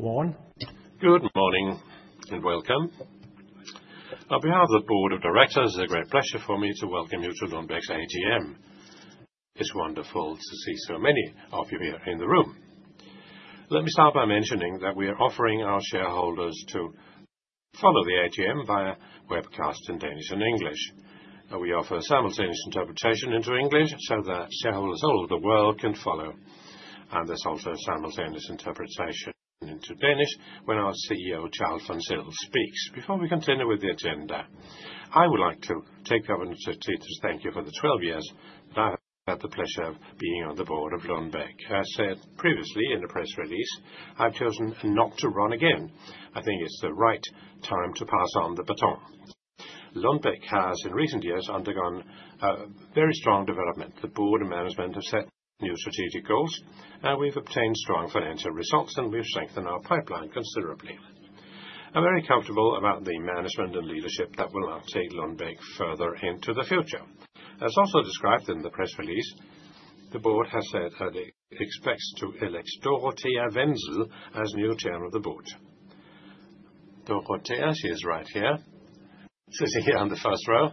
Good morning? Good morning, and welcome. On behalf of the Board of Directors, it's a great pleasure for me to welcome you to Lundbeck's AGM. It's wonderful to see so many of you here in the room. Let me start by mentioning that we are offering our shareholders to follow the AGM via webcast in Danish and English. We offer simultaneous interpretation into English so that shareholders all over the world can follow, and there's also a simultaneous interpretation into Danish when our CEO, Charl van Zyl, speaks. Before we continue with the agenda, I would like to take the opportunity to thank you for the twelve years that I've had the pleasure of being on the board of Lundbeck. I said previously in the press release, I've chosen not to run again. I think it's the right time to pass on the baton. Lundbeck has, in recent years, undergone a very strong development. The board and management have set new strategic goals, and we've obtained strong financial results, and we've strengthened our pipeline considerably. I'm very comfortable about the management and leadership that will now take Lundbeck further into the future. As also described in the press release, the board has said that it expects to elect Dorothea Wenzel as new chair of the board. Dorothea, she is right here, sitting here on the first row.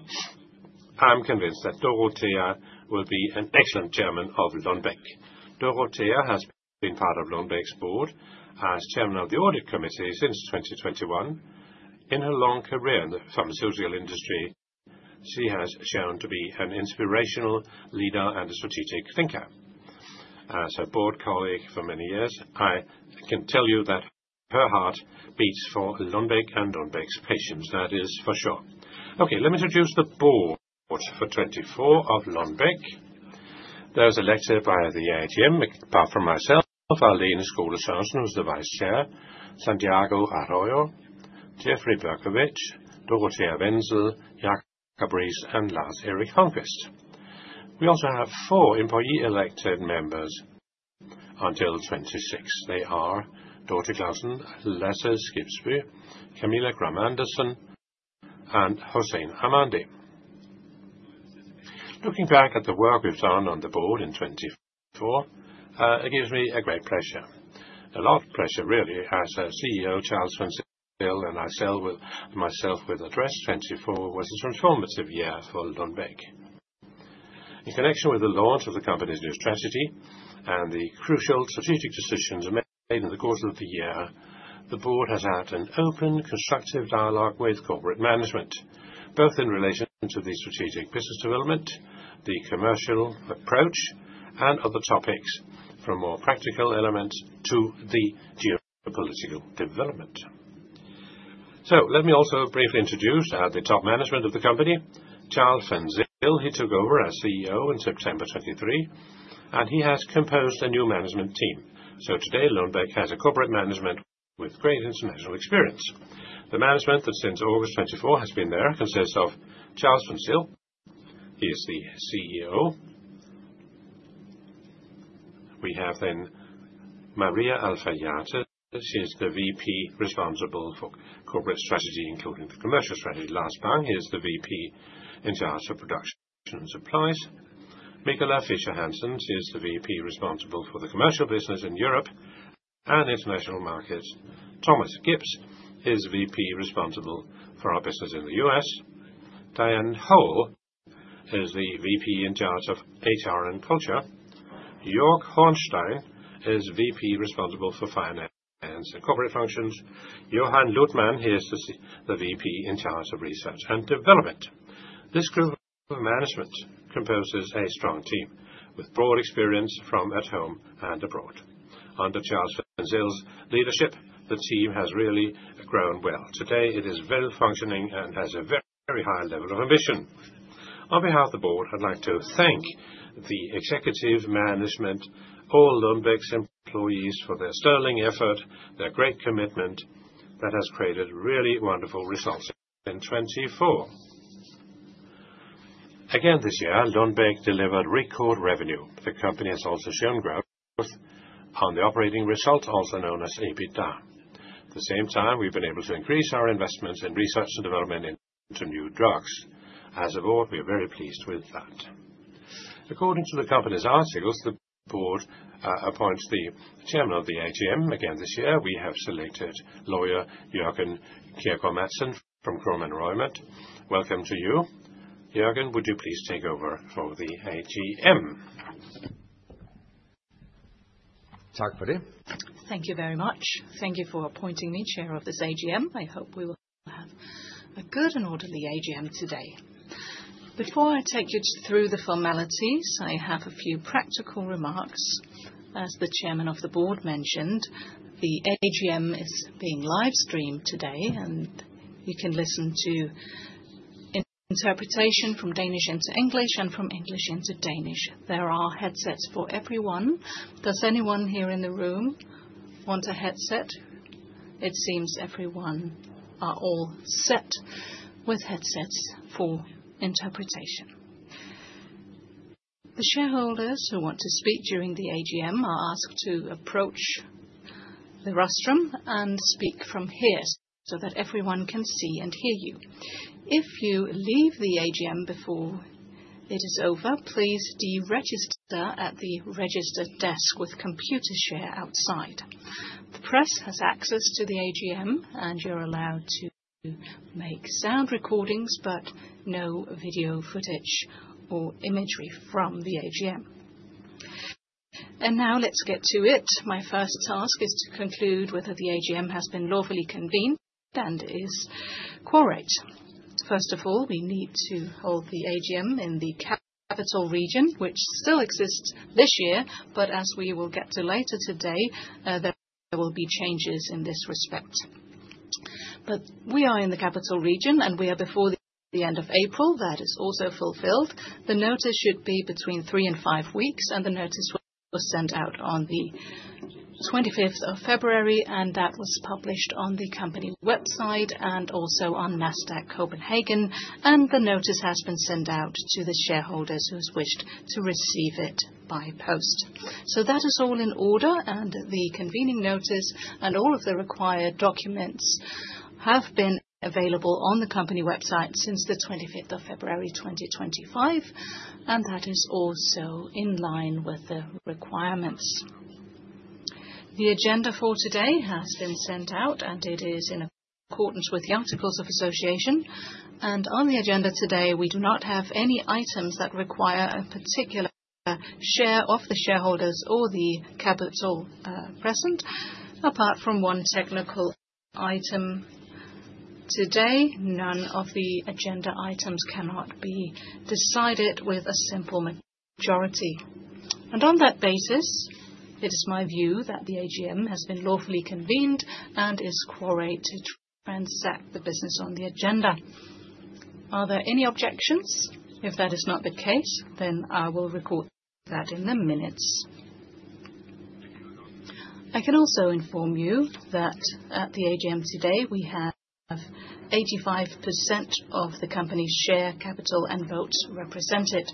I'm convinced that Dorothea will be an excellent chairman of Lundbeck. Dorothea has been part of Lundbeck's board as Chairman of the audit committee since 2021. In her long career in the pharmaceutical industry, she has shown to be an inspirational leader and a strategic thinker. As a board colleague for many years, I can tell you that her heart beats for Lundbeck and Lundbeck's patients, that is for sure. Okay, let me introduce the board for 2024 of Lundbeck. They were elected by the AGM, apart from myself: Lene Skole Sørensen, who is the Vice Chair, Santiago Arroyo, Jeffrey Berkowitz, Dorothea Wenzel, Jacques Gabrys, and Lars Erik Holmqvist. We also have four employee-elected members until 2026. They are Dorte Clausen, Lasse Skibsbye, Camilla Gram Andersson, and Hossein Armandi. Looking back at the work we've done on the board in 2024, it gives me a great pleasure. A lot of pleasure, really, as our CEO, Charl van Zyl, and as I said in my address, 2024 was a transformative year for Lundbeck. In connection with the launch of the company's new strategy and the crucial strategic decisions made in the course of the year, the board has had an open, constructive dialogue with corporate management, both in relation to the strategic business development, the commercial approach, and other topics, from more practical elements to the geopolitical development. So let me also briefly introduce the top management of the company, Charl van Zyl. He took over as CEO in September 2023, and he has composed a new management team. So today, Lundbeck has a corporate management with great international experience. The management that since August 2024 has been there consists of Charl van Zyl. He is the CEO. We have then Maria Alfaiate, she is the VP responsible for corporate strategy, including the commercial strategy. Lars Bang, he is the VP in charge of production and supplies. Michala Fischer-Hansen, she is the VP responsible for the commercial business in Europe and international markets. Thomas Gibbs is VP responsible for our business in the US. Dianne Hol is the VP in charge of HR and culture. Joerg Hornstein is VP responsible for finance and corporate functions. Johan Luthman, he is the VP in charge of research and development. This group of management composes a strong team with broad experience from at home and abroad. Under Charl van Zyl's leadership, the team has really grown well. Today, it is well functioning and has a very high level of ambition. On behalf of the board, I'd like to thank the executive management, all Lundbeck's employees, for their sterling effort, their great commitment that has created really wonderful results in 2024. Again, this year, Lundbeck delivered record revenue. The company has also shown growth on the operating results, also known as EBITDA. At the same time, we've been able to increase our investments in research and development into new drugs. As a board, we are very pleased with that. According to the company's articles, the board appoints the chairman of the AGM. Again, this year, we have selected lawyer Jørgen Kjergaard Madsen from Kromann Reumert. Welcome to you. Jørgen, would you please take over for the AGM? Thank you very much. Thank you for appointing me, chair of this AGM. I hope we will have a good and orderly AGM today. Before I take you through the formalities, I have a few practical remarks. As the chairman of the board mentioned, the AGM is being live-streamed today, and you can listen to interpretation from Danish into English and from English into Danish. There are headsets for everyone. Does anyone here in the room want a headset? It seems everyone are all set with headsets for interpretation. The shareholders who want to speak during the AGM are asked to approach the rostrum and speak from here so that everyone can see and hear you. If you leave the AGM before it is over, please de-register at the registration desk with Computershare outside. The press has access to the AGM, and you're allowed to make sound recordings, but no video footage or imagery from the AGM. Now let's get to it. My first task is to conclude whether the AGM has been lawfully convened and is quorate. First of all, we need to hold the AGM in the Capital Region, which still exists this year, but as we will get to later today, there will be changes in this respect. We are in the Capital Region, and we are before the end of April. That is also fulfilled. The notice should be between three and five weeks, and the notice was sent out on the twenty-fifth of February, and that was published on the company website and also on Nasdaq Copenhagen. The notice has been sent out to the shareholders who has wished to receive it by post. That is all in order, and the convening notice and all of the required documents have been available on the company website since the 25th February 2025, and that is also in line with the requirements. The agenda for today has been sent out, and it is in accordance with the Articles of Association. On the agenda today, we do not have any items that require a particular share of the shareholders or the capital, present, apart from one technical item. Today, none of the agenda items cannot be decided with a simple majority. On that basis, it is my view that the AGM has been lawfully convened and is quorate to transact the business on the agenda. Are there any objections? If that is not the case, then I will record that in the minutes. I can also inform you that at the AGM today, we have 85% of the company's share capital and votes represented.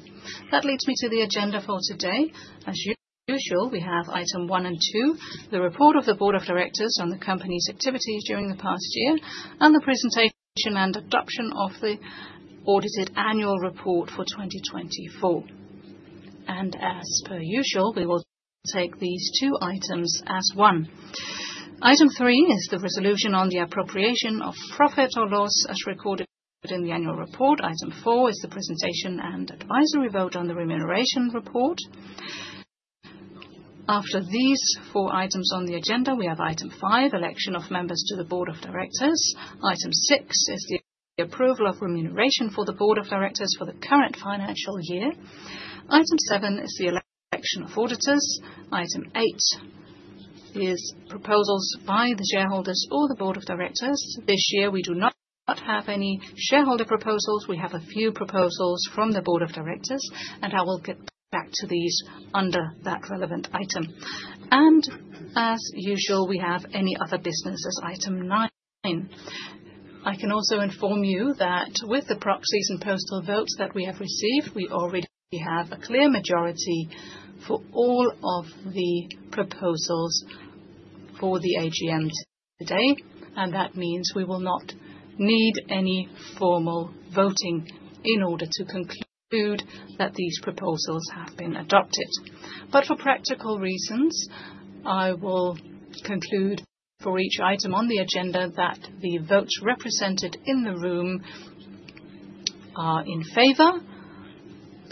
That leads me to the agenda for today. As usual, we have item one and two, the report of the board of directors on the company's activities during the past year and the presentation and adoption of the audited annual report for 2024. And as per usual, we will take these two items as one. Item three is the resolution on the appropriation of profit or loss as recorded in the annual report. Item four is the presentation and advisory vote on the remuneration report. After these four items on the agenda, we have item five, election of members to the board of directors. Item six is the approval of remuneration for the board of directors for the current financial year. Item seven is the election of auditors. Item eight is proposals by the shareholders or the Board of Directors. This year, we do not have any shareholder proposals. We have a few proposals from the Board of Directors, and I will get back to these under that relevant item, and as usual, we have any other business as item nine. I can also inform you that with the proxies and postal votes that we have received, we already have a clear majority for all of the proposals for the AGM today, and that means we will not need any formal voting in order to conclude that these proposals have been adopted, but for practical reasons, I will conclude for each item on the agenda that the votes represented in the room are in favor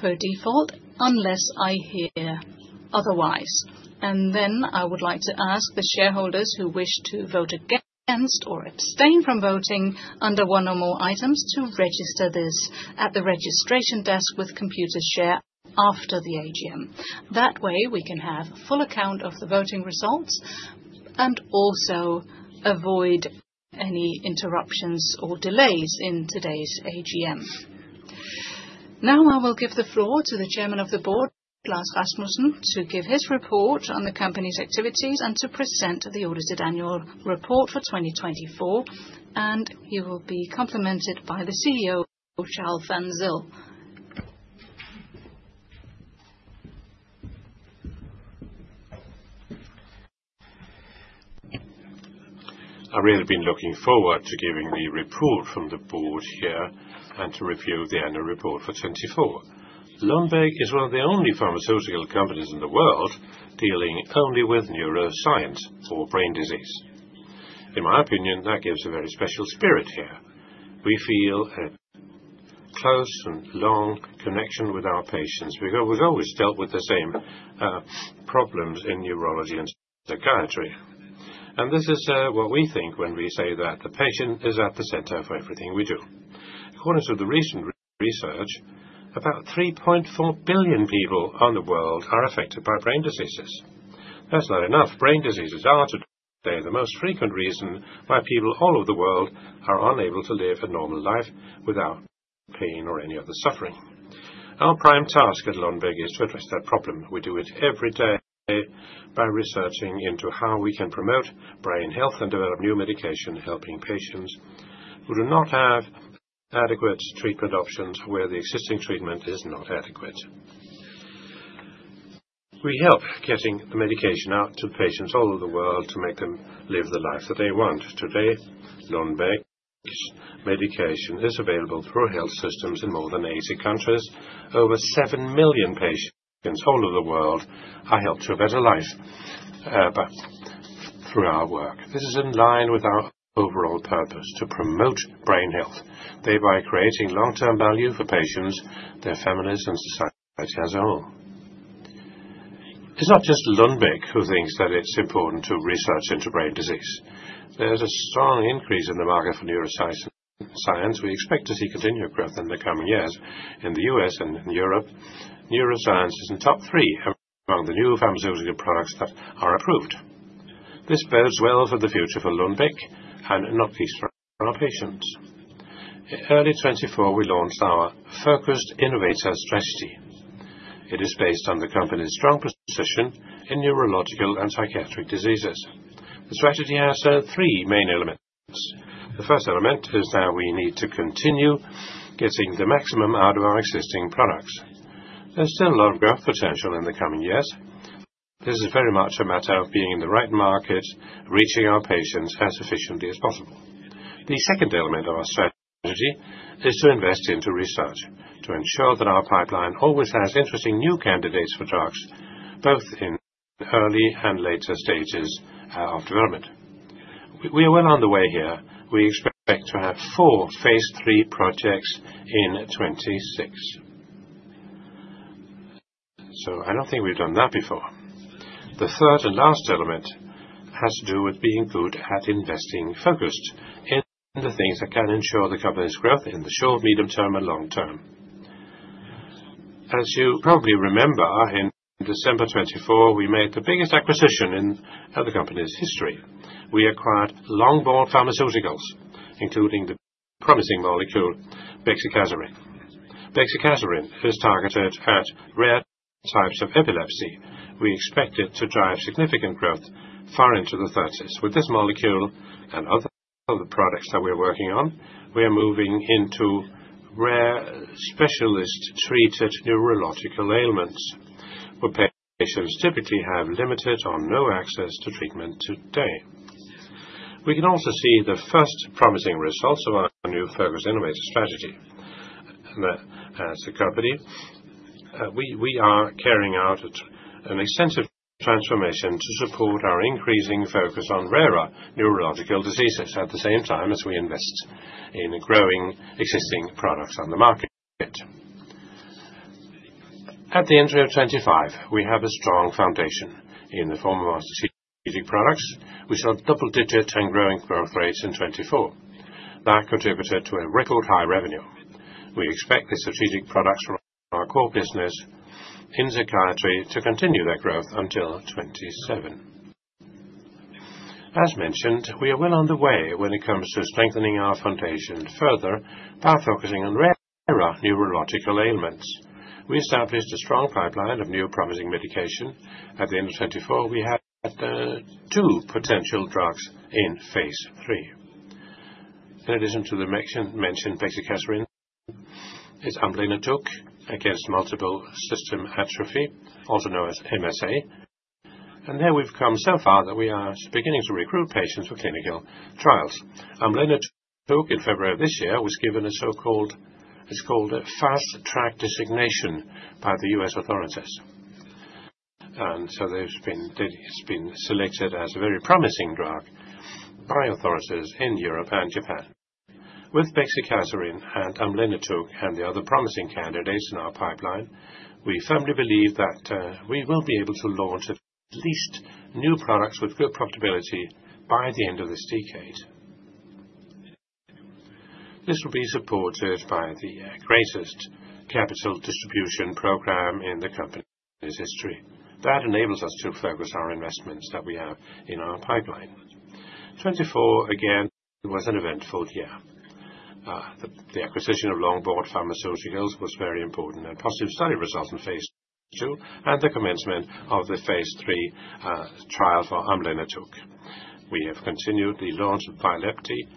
by default, unless I hear otherwise. And then I would like to ask the shareholders who wish to vote against or abstain from voting under one or more items to register this at the registration desk with Computershare after the AGM. That way, we can have full account of the voting results and also avoid any interruptions or delays in today's AGM. Now, I will give the floor to the chairman of the board, Lars Rasmussen, to give his report on the company's activities and to present the audited annual report for 2024, and he will be complemented by the CEO, Charl van Zyl. I've really been looking forward to giving the report from the board here and to review the annual report for 2024. Lundbeck is one of the only pharmaceutical companies in the world dealing only with neuroscience or brain disease. In my opinion, that gives a very special spirit here. We feel a close and long connection with our patients. We've always dealt with the same problems in neurology and psychiatry. And this is what we think when we say that the patient is at the center of everything we do. According to the recent research, about 3.4 billion people in the world are affected by brain diseases. That's not enough. Brain diseases are today the most frequent reason why people all over the world are unable to live a normal life without pain or any other suffering. Our prime task at Lundbeck is to address that problem. We do it every day by researching into how we can promote brain health and develop new medication, helping patients who do not have adequate treatment options, where the existing treatment is not adequate. We help getting the medication out to patients all over the world to make them live the life that they want. Today, Lundbeck medication is available through health systems in more than 80 countries. Over 7 million patients all over the world are helped to a better life, but through our work. This is in line with our overall purpose: to promote brain health, thereby creating long-term value for patients, their families, and society as a whole. It's not just Lundbeck who thinks that it's important to research into brain disease. There's a strong increase in the market for neuroscience. We expect to see continued growth in the coming years. In the U.S. and in Europe, neuroscience is in top three among the new pharmaceutical products that are approved. This bodes well for the future for Lundbeck and not least for our patients. In early 2024, we launched our focused innovator strategy. It is based on the company's strong position in neurological and psychiatric diseases. The strategy has three main elements. The first element is that we need to continue getting the maximum out of our existing products. There's still a lot of growth potential in the coming years. This is very much a matter of being in the right market, reaching our patients as efficiently as possible. The second element of our strategy is to invest into research, to ensure that our pipeline always has interesting new candidates for drugs, both in early and later stages, of development. We are well on the way here. We expect to have four phase III projects in 2026. So I don't think we've done that before. The third and last element has to do with being good at investing, focused in the things that can ensure the company's growth in the short, medium term, and long term. As you probably remember, in December 2024, we made the biggest acquisition in the company's history. We acquired Longboard Pharmaceuticals, including the promising molecule, bexicaserin. bexicaserin is targeted at rare types of epilepsy. We expect it to drive significant growth far into the 2030s. With this molecule and other products that we're working on, we are moving into rare specialist-treated neurological ailments, where patients typically have limited or no access to treatment today. We can also see the first promising results of our new Focused Innovator Strategy. As a company, we are carrying out an extensive transformation to support our increasing focus on rarer neurological diseases, at the same time as we invest in growing existing products on the market. At the end of 2025, we have a strong foundation in the form of our strategic products. We saw double-digit and growing growth rates in 2024. That contributed to a record high revenue. We expect the strategic products from our core business in psychiatry to continue their growth until 2027. As mentioned, we are well on the way when it comes to strengthening our foundation. Further, by focusing on rarer neurological ailments, we established a strong pipeline of new promising medication. At the end of 2024, we had two potential drugs in phase III. In addition to the mentioned bexicaserin is amlenetug, against Multiple System Atrophy, also known as MSA. And there we've come so far that we are beginning to recruit patients for clinical trials. amlenetug, in February of this year, was given a so-called Fast Track designation by the U.S. authorities. And so it's been selected as a very promising drug by authorities in Europe and Japan. With bexicaserin and amlenetug and the other promising candidates in our pipeline, we firmly believe that we will be able to launch at least new products with good profitability by the end of this decade. This will be supported by the greatest capital distribution program in the company's history. That enables us to focus our investments that we have in our pipeline. 2024, again, was an eventful year. The acquisition of Longboard Pharmaceuticals was very important and positive study results in phase II and the commencement of the phase III trial for amlenetug. We have continued the launch of Vyepti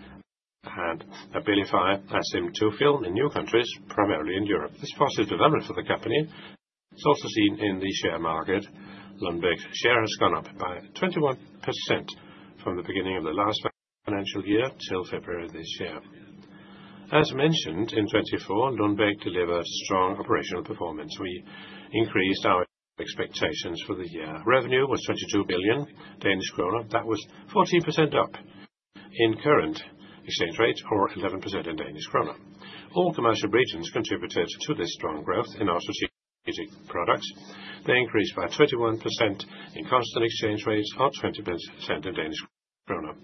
and Abilify Asimtufii in new countries, primarily in Europe. This positive development for the company is also seen in the share market. Lundbeck share has gone up by 21% from the beginning of the last financial year till February of this year. As mentioned, in 2024, Lundbeck delivered strong operational performance. We increased our expectations for the year. Revenue was 22 billion Danish krone. That was 14% up in current exchange rate, or 11% in Danish kroner. All commercial regions contributed to this strong growth in our strategic products. They increased by 31% in constant exchange rates, or 20% in Danish kroner,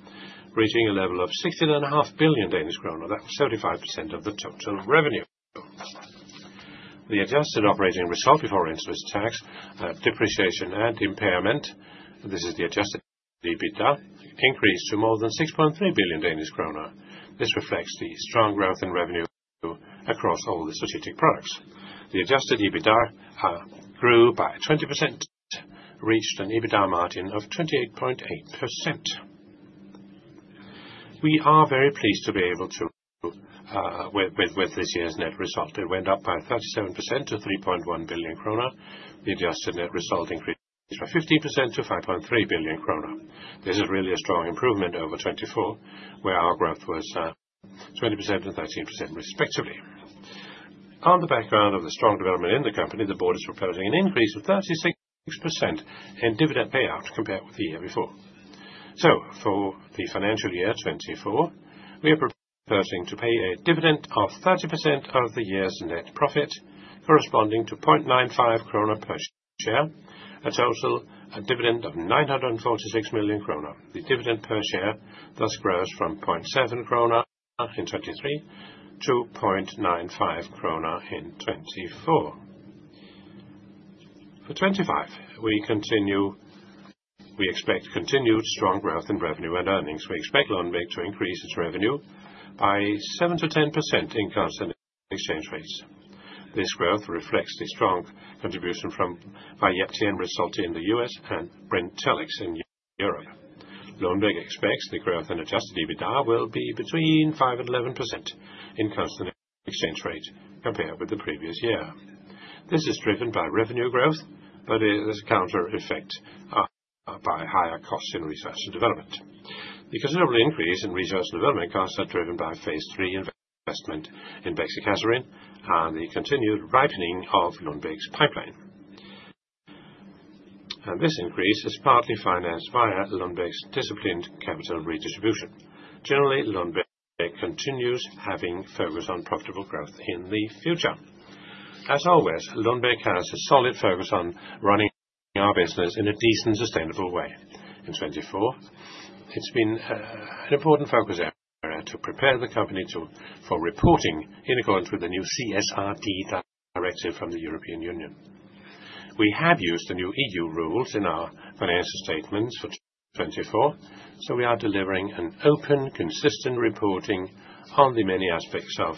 reaching a level of 16.5 billion Danish krone. That's 35% of the total revenue. The adjusted operating result before interest, tax, depreciation, and impairment, this is the adjusted EBITDA, increased to more than 6.3 billion Danish kroner. This reflects the strong growth in revenue across all the strategic products. The adjusted EBITDA grew by 20%, reached an EBITDA margin of 28.8%. We are very pleased with this year's net result. It went up by 37% to 3.1 billion kroner. The adjusted net result increased by 15% to 5.3 billion kroner. This is really a strong improvement over 2024, where our growth was 20% and 13%, respectively. On the background of the strong development in the company, the board is proposing an increase of 36% in dividend payout compared with the year before, so for the financial year 2024, we are proposing to pay a dividend of 30% of the year's net profit, corresponding to 0.95 krone per share. A total, a dividend of 946 million krone. The dividend per share thus grows from 0.7 krone in 2023 to 0.95 krone in 2024. For 2025, we continue. We expect continued strong growth in revenue and earnings. We expect Lundbeck to increase its revenue by 7% to 10% in constant exchange rates. This growth reflects the strong contribution from Vyepti and Rexulti in the US and Brintellix in Europe. Lundbeck expects the growth and adjusted EBITDA will be between 5% and 11% in constant exchange rates compared with the previous year. This is driven by revenue growth, but there's a counter effect by higher costs in research and development. The considerable increase in research and development costs are driven by phase III investment in bexicaserin and the continued ripening of Lundbeck's pipeline. And this increase is partly financed via Lundbeck's disciplined capital redistribution. Generally, Lundbeck continues having focus on profitable growth in the future. As always, Lundbeck has a solid focus on running our business in a decent, sustainable way. In 2024, it's been an important focus area to prepare the company for reporting in accordance with the new CSRD directive from the European Union. We have used the new EU rules in our financial statements for 2024, so we are delivering an open, consistent reporting on the many aspects of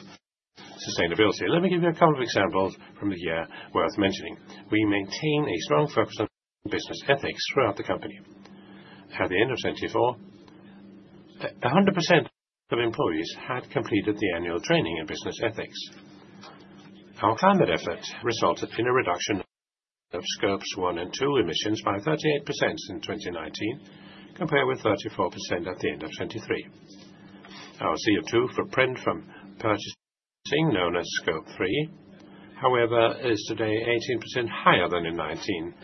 sustainability. Let me give you a couple of examples from the year worth mentioning. We maintain a strong focus on business ethics throughout the company. At the end of 2024, 100% of employees had completed the annual training in business ethics. Our climate effort resulted in a reduction of Scope 1 and 2 emissions by 38% in 2019, compared with 34% at the end of 2023. Our CO2 footprint from purchasing, known as Scope 3, however, is today 18% higher than in 2019,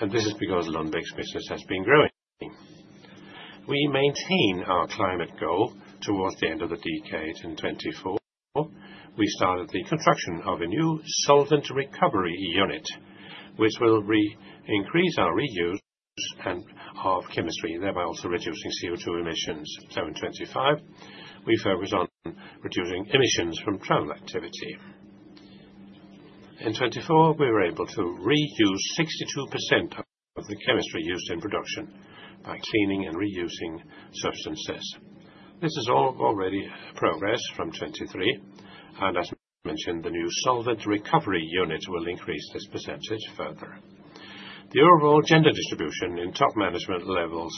and this is because Lundbeck's business has been growing. We maintain our climate goal towards the end of the decade. In 2024, we started the construction of a new solvent recovery unit, which will increase our reuse and recycling of chemistry, thereby also reducing CO2 emissions. So in 2025, we focus on reducing emissions from travel activity. In 2024, we were able to reuse 62% of the chemistry used in production by cleaning and reusing substances. This is all already progress from 2023, and as mentioned, the new solvent recovery units will increase this percentage further. The overall gender distribution in top management levels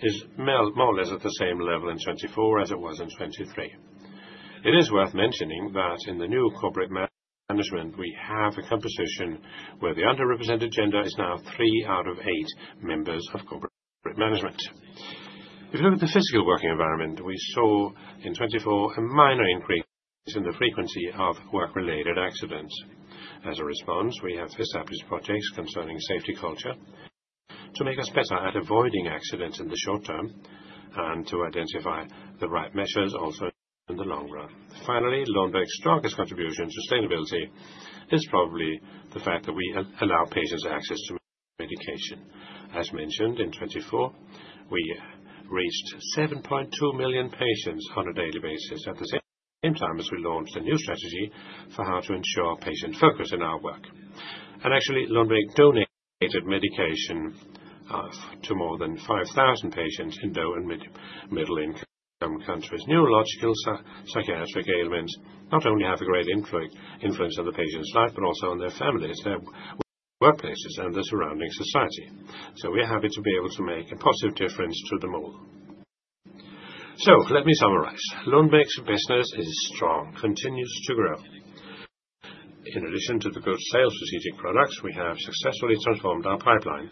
is more or less at the same level in 2024 as it was in 2023. It is worth mentioning that in the new corporate management, we have a composition where the underrepresented gender is now three out of eight members of corporate management. If you look at the physical working environment, we saw in 2024 a minor increase in the frequency of work-related accidents. As a response, we have established projects concerning safety culture to make us better at avoiding accidents in the short term and to identify the right measures also in the long run. Finally, Lundbeck's strongest contribution to sustainability is probably the fact that we help allow patients access to medication. As mentioned in 2024, we reached 7.2 million patients on a daily basis, at the same time as we launched a new strategy for how to ensure patient focus in our work. Actually, Lundbeck donated medication to more than 5,000 patients in low- and middle-income countries. Neurological, psychiatric ailments not only have a great influence on the patient's life, but also on their families, their workplaces, and the surrounding society. We're happy to be able to make a positive difference to them all. Let me summarize. Lundbeck's business is strong, continues to grow. In addition to the good sales strategic products, we have successfully transformed our pipeline.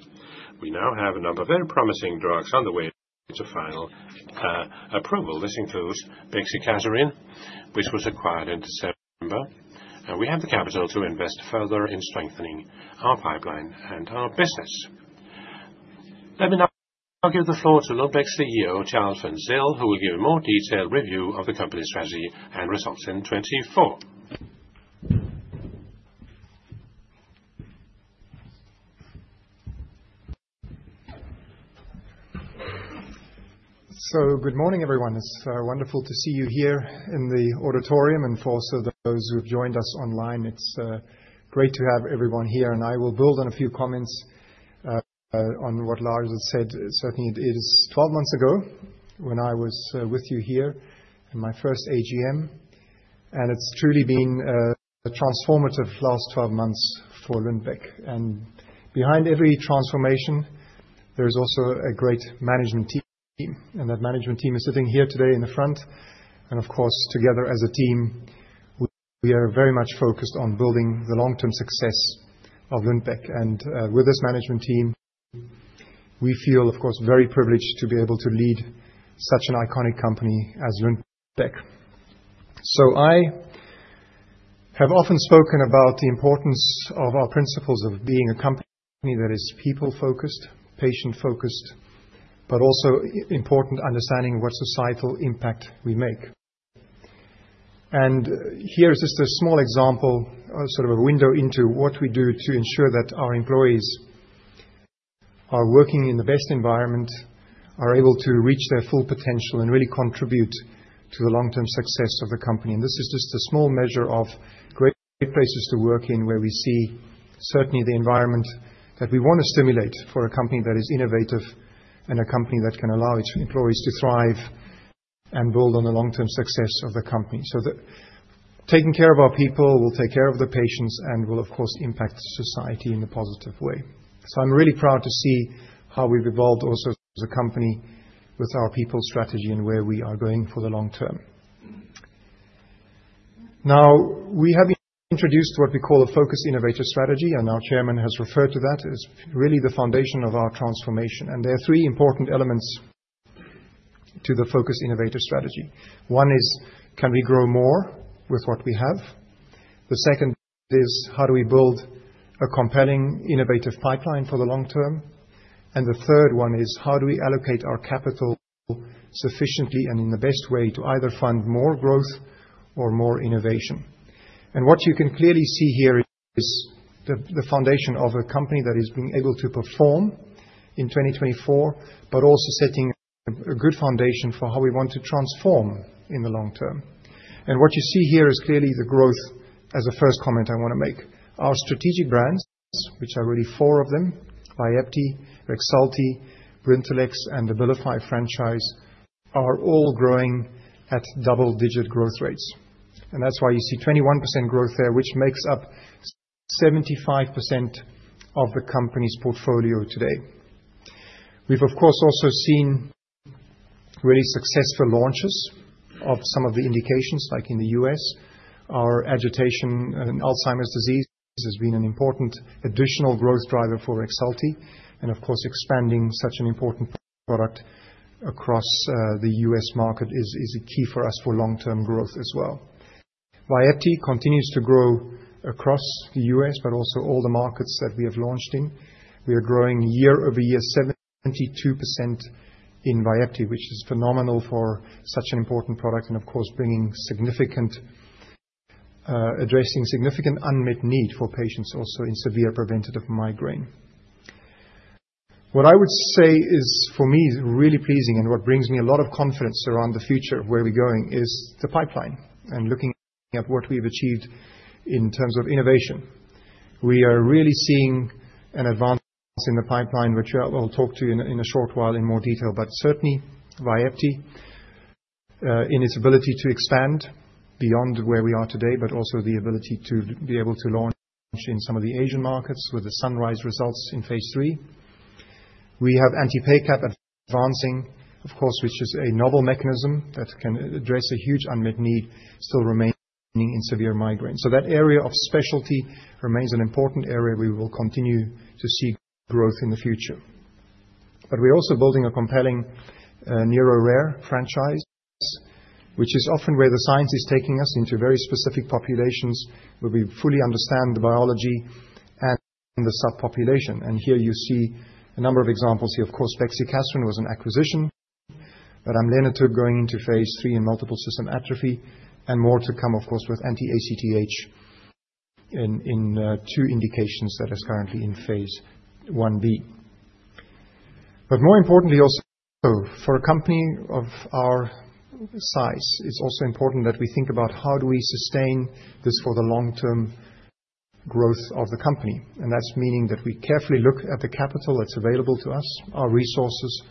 We now have a number of very promising drugs on the way to final approval. This includes bexicaserin, which was acquired in December, and we have the capital to invest further in strengthening our pipeline and our business. Let me now give the floor to Lundbeck's CEO, Charl van Zyl, who will give a more detailed review of the company's strategy and results in 2024. Good morning, everyone. It's wonderful to see you here in the auditorium and for also those who have joined us online. It's great to have everyone here, and I will build on a few comments on what Lars has said. Certainly, it is twelve months ago, when I was with you here in my first AGM. And it's truly been a transformative last twelve months for Lundbeck. And behind every transformation, there is also a great management team, and that management team is sitting here today in the front. And of course, together as a team, we are very much focused on building the long-term success of Lundbeck. And with this management team, we feel, of course, very privileged to be able to lead such an iconic company as Lundbeck. I have often spoken about the importance of our principles of being a company that is people-focused, patient-focused, but also important, understanding what societal impact we make. Here is just a small example, or sort of a window into what we do to ensure that our employees are working in the best environment, are able to reach their full potential, and really contribute to the long-term success of the company. This is just a small measure of great places to work in, where we see certainly the environment that we want to stimulate for a company that is innovative, and a company that can allow its employees to thrive and build on the long-term success of the company. The taking care of our people will take care of the patients and will, of course, impact society in a positive way. I'm really proud to see how we've evolved also as a company with our people strategy and where we are going for the long term. Now, we have introduced what we call a Focused Innovator Strategy, and our chairman has referred to that as really the foundation of our transformation. There are three important elements to the Focused Innovator Strategy. One is, can we grow more with what we have? The second is, how do we build a compelling, innovative pipeline for the long term? The third one is, how do we allocate our capital sufficiently and in the best way to either fund more growth or more innovation? What you can clearly see here is the foundation of a company that is being able to perform in 2024, but also setting a good foundation for how we want to transform in the long term. What you see here is clearly the growth as the first comment I want to make. Our strategic brands, which are really four of them, Vyepti, Rexulti, Brintellix, and the Abilify franchise, are all growing at double-digit growth rates. That's why you see 21% growth there, which makes up 75% of the company's portfolio today. We've, of course, also seen really successful launches of some of the indications, like in the U.S. Our agitation in Alzheimer's disease has been an important additional growth driver for Rexulti, and of course, expanding such an important product across the US market is a key for us for long-term growth as well. Vyepti continues to grow across the US, but also all the markets that we have launched in. We are growing year-over-year, 72% in Vyepti, which is phenomenal for such an important product, and of course, bringing significant addressing significant unmet need for patients also in severe preventative migraine. What I would say is, for me, is really pleasing and what brings me a lot of confidence around the future of where we're going is the pipeline and looking at what we've achieved in terms of innovation. We are really seeing an advance in the pipeline, which I will talk to you in a short while in more detail, but certainly Vyepti, in its ability to expand beyond where we are today, but also the ability to be able to launch in some of the Asian markets with the SUNRISE results in phase III. We have Anti-PACAP advancing, of course, which is a novel mechanism that can address a huge unmet need still remaining in severe migraine. That area of specialty remains an important area we will continue to see growth in the future. But we're also building a compelling, neuro-rare franchise, which is often where the science is taking us into very specific populations, where we fully understand the biology and the subpopulation. And here you see a number of examples here. Of course, bexicaserin was an acquisition, but amlenetug going into phase III in Multiple System Atrophy, and more to come, of course, with Anti-ACTH in two indications that is currently in phase Ib. But more importantly, also, for a company of our size, it's also important that we think about how do we sustain this for the long-term growth of the company. And that's meaning that we carefully look at the capital that's available to us, our resources.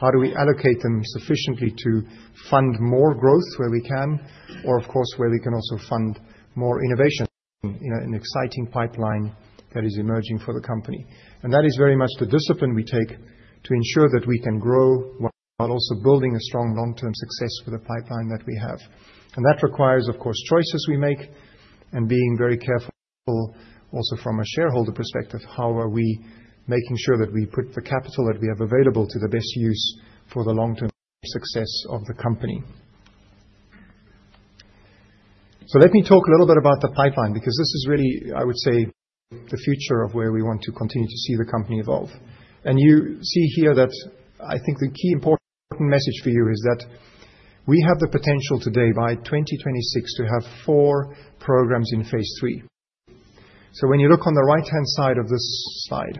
How do we allocate them sufficiently to fund more growth where we can, or of course, where we can also fund more innovation in an exciting pipeline that is emerging for the company? And that is very much the discipline we take to ensure that we can grow while also building a strong long-term success for the pipeline that we have. And that requires, of course, choices we make and being very careful also from a shareholder perspective, how are we making sure that we put the capital that we have available to the best use for the long-term success of the company? So let me talk a little bit about the pipeline, because this is really, I would say, the future of where we want to continue to see the company evolve. And you see here that I think the key important message for you is that we have the potential today, by 2026, to have four programs in phase III. So when you look on the right-hand side of this slide,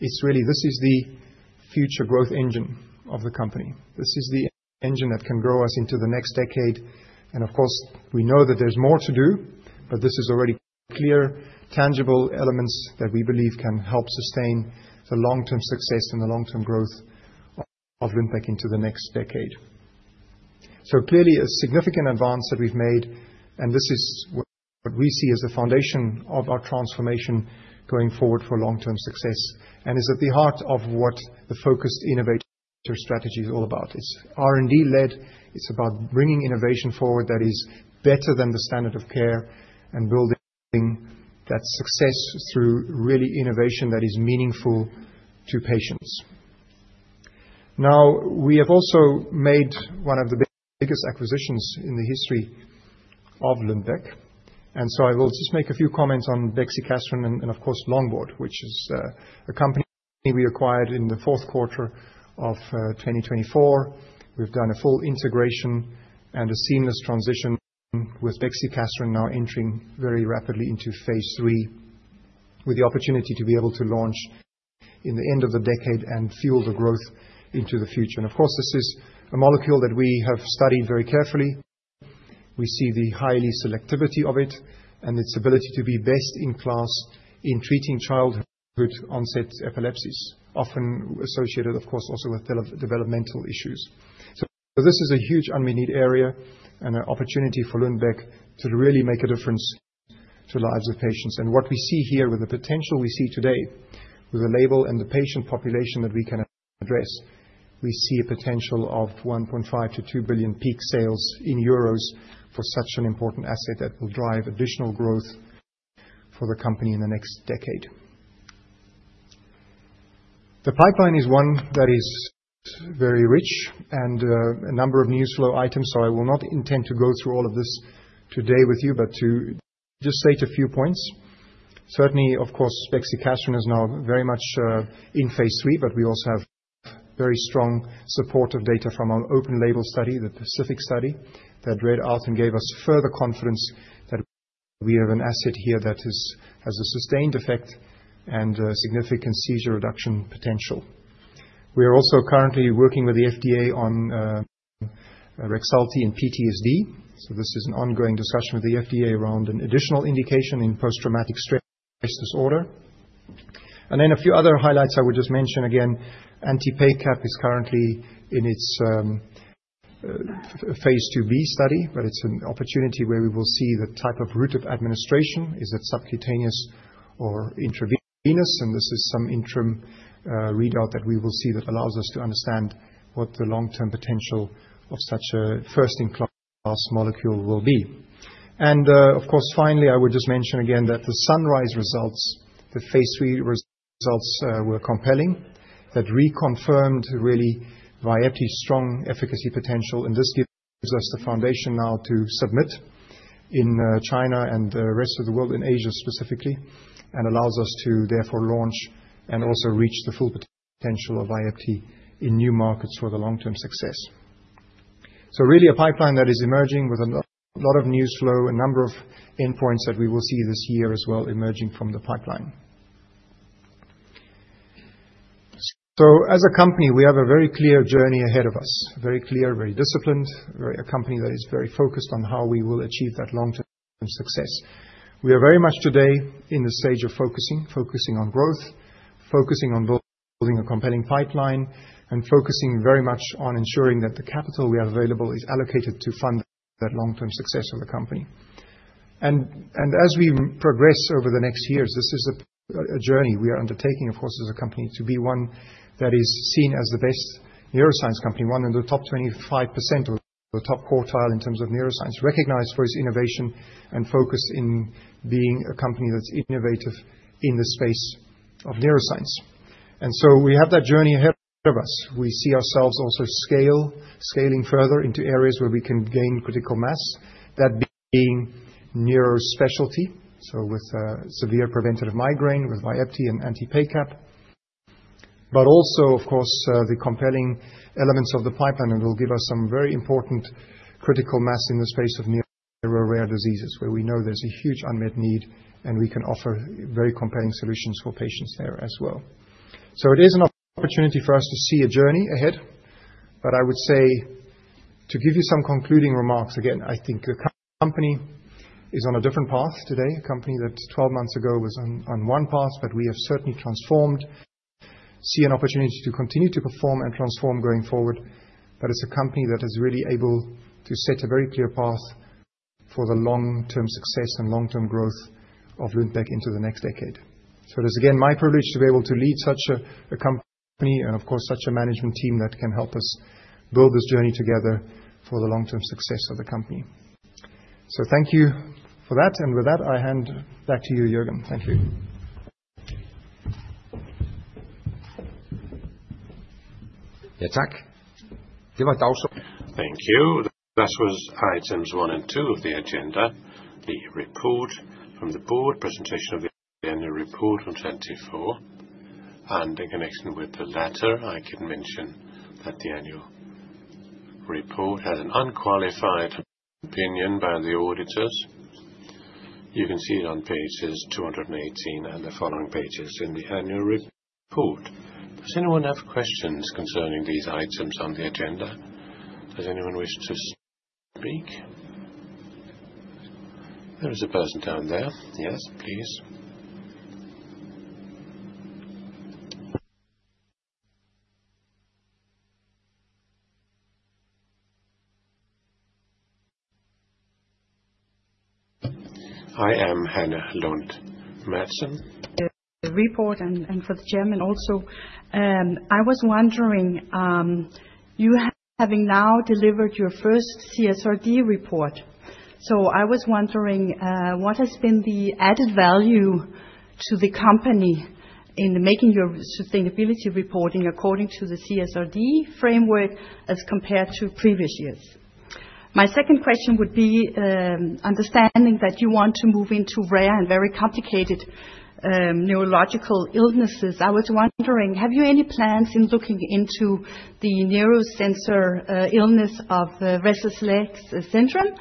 it's really. This is the future growth engine of the company. This is the engine that can grow us into the next decade. And of course, we know that there's more to do, but this is already clear, tangible elements that we believe can help sustain the long-term success and the long-term growth of the company of Lundbeck into the next decade. So clearly, a significant advance that we've made, and this is what we see as a foundation of our transformation going forward for long-term success, and is at the heart of what the Focused Innovator Strategy is all about. It's R&D led It's about bringing innovation forward that is better than the standard of care and building that success through really innovation that is meaningful to patients. Now, we have also made one of the biggest acquisitions in the history of Lundbeck, and so I will just make a few comments on bexicaserin and, of course, Longboard, which is a company we acquired in the fourth quarter of 2024. We've done a full integration and a seamless transition, with exicaserin now entering very rapidly into phase III, with the opportunity to be able to launch in the end of the decade and fuel the growth into the future. And of course, this is a molecule that we have studied very carefully. We see the highly selectivity of it and its ability to be best in class in treating childhood onset epilepsies, often associated, of course, also with developmental issues. This is a huge unmet need area and an opportunity for Lundbeck to really make a difference to lives of patients. And what we see here, with the potential we see today, with the label and the patient population that we can address, we see a potential of 1.5 billion-2 billion peak sales for such an important asset that will drive additional growth for the company in the next decade. The pipeline is one that is very rich and a number of newsflow items, so I will not intend to go through all of this today with you, but to just state a few points. Certainly, of course, bexicaserin is now very much in phase III, but we also have very strong supportive data from our open label study, the PACIFIC study, that read out and gave us further confidence that we have an asset here that is- has a sustained effect and significant seizure reduction potential. We are also currently working with the FDA on Rexulti and PTSD, so this is an ongoing discussion with the FDA around an additional indication in Post-Traumatic Stress Disorder. Then a few other highlights I would just mention again, Anti-PACAP is currently in its phase IIB study, but it's an opportunity where we will see the type of route of administration. Is it subcutaneous or intravenous? This is some interim readout that we will see that allows us to understand what the long-term potential of such a first-in-class molecule will be. Of course, finally, I would just mention again that the SUNRISE results, the Phase III results, were compelling. That reconfirmed, really, Vyepti's strong efficacy potential, and this gives us the foundation now to submit in China and the rest of the world, in Asia, specifically, and allows us to therefore launch and also reach the full potential of Vyepti in new markets for the long-term success. Really, a pipeline that is emerging with a lot of news flow, a number of endpoints that we will see this year as well emerging from the pipeline. As a company, we have a very clear journey ahead of us, very clear, very disciplined. A company that is very focused on how we will achieve that long-term success. We are very much today in the stage of focusing, focusing on growth, focusing on building a compelling pipeline, and focusing very much on ensuring that the capital we have available is allocated to fund that long-term success of the company, and as we progress over the next years, this is a journey we are undertaking, of course, as a company, to be one that is seen as the best neuroscience company. One in the top 25% or the top quartile in terms of neuroscience. Recognized for its innovation and focus in being a company that's innovative in the space of neuroscience, and so we have that journey ahead of us. We see ourselves scaling further into areas where we can gain critical mass, that being neurospecialty, so with severe preventive migraine, with Vyepti and Anti-PACAP. But also, of course, the compelling elements of the pipeline that will give us some very important critical mass in the space of neuro rare diseases, where we know there's a huge unmet need, and we can offer very compelling solutions for patients there as well. So it is an opportunity for us to see a journey ahead, but I would say, to give you some concluding remarks, again, I think the company is on a different path today, a company that twelve months ago was on one path, but we have certainly transformed. See an opportunity to continue to perform and transform going forward, but it's a company that is really able to set a very clear path for the long-term success and long-term growth of Lundbeck into the next decade. So it is, again, my privilege to be able to lead such a company and, of course, such a management team that can help us build this journey together for the long-term success of the company. So thank you for that, and with that, I hand back to you, Jørgen. Thank you. Thank you. That was items one and two of the agenda, the report from the board, presentation of the annual report from 2024. And in connection with the latter, I can mention that the annual report had an unqualified opinion by the auditors. You can see it on pages 218 and the following pages in the annual report. Does anyone have questions concerning these items on the agenda? Does anyone wish to speak? There is a person down there. Yes, please. I am Hanne Lund Madsen. The report and, and for the chairman also, I was wondering, you having now delivered your first CSRD report. So I was wondering, what has been the added value to the company in making your sustainability reporting according to the CSRD framework, as compared to previous years? My second question would be, understanding that you want to move into rare and very complicated, neurological illnesses. I was wondering, have you any plans in looking into the neuro-sensory illness of restless legs syndrome?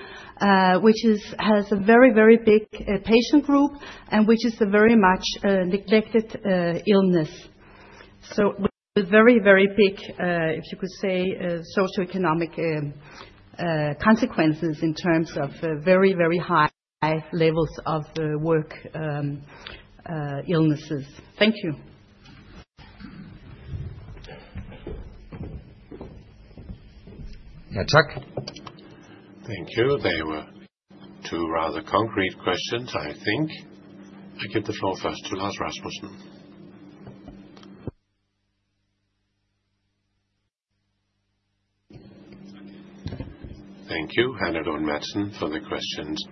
Which has a very, very big patient group, and which is a very much neglected illness. So a very, very big, if you could say, socioeconomic consequences in terms of very, very high levels of the work illnesses. Thank you. Yeah, Chuck. Thank you. They were two rather concrete questions, I think. I give the floor first to Lars Rasmussen. Thank you, Hanne Lund Madsen, for the questions.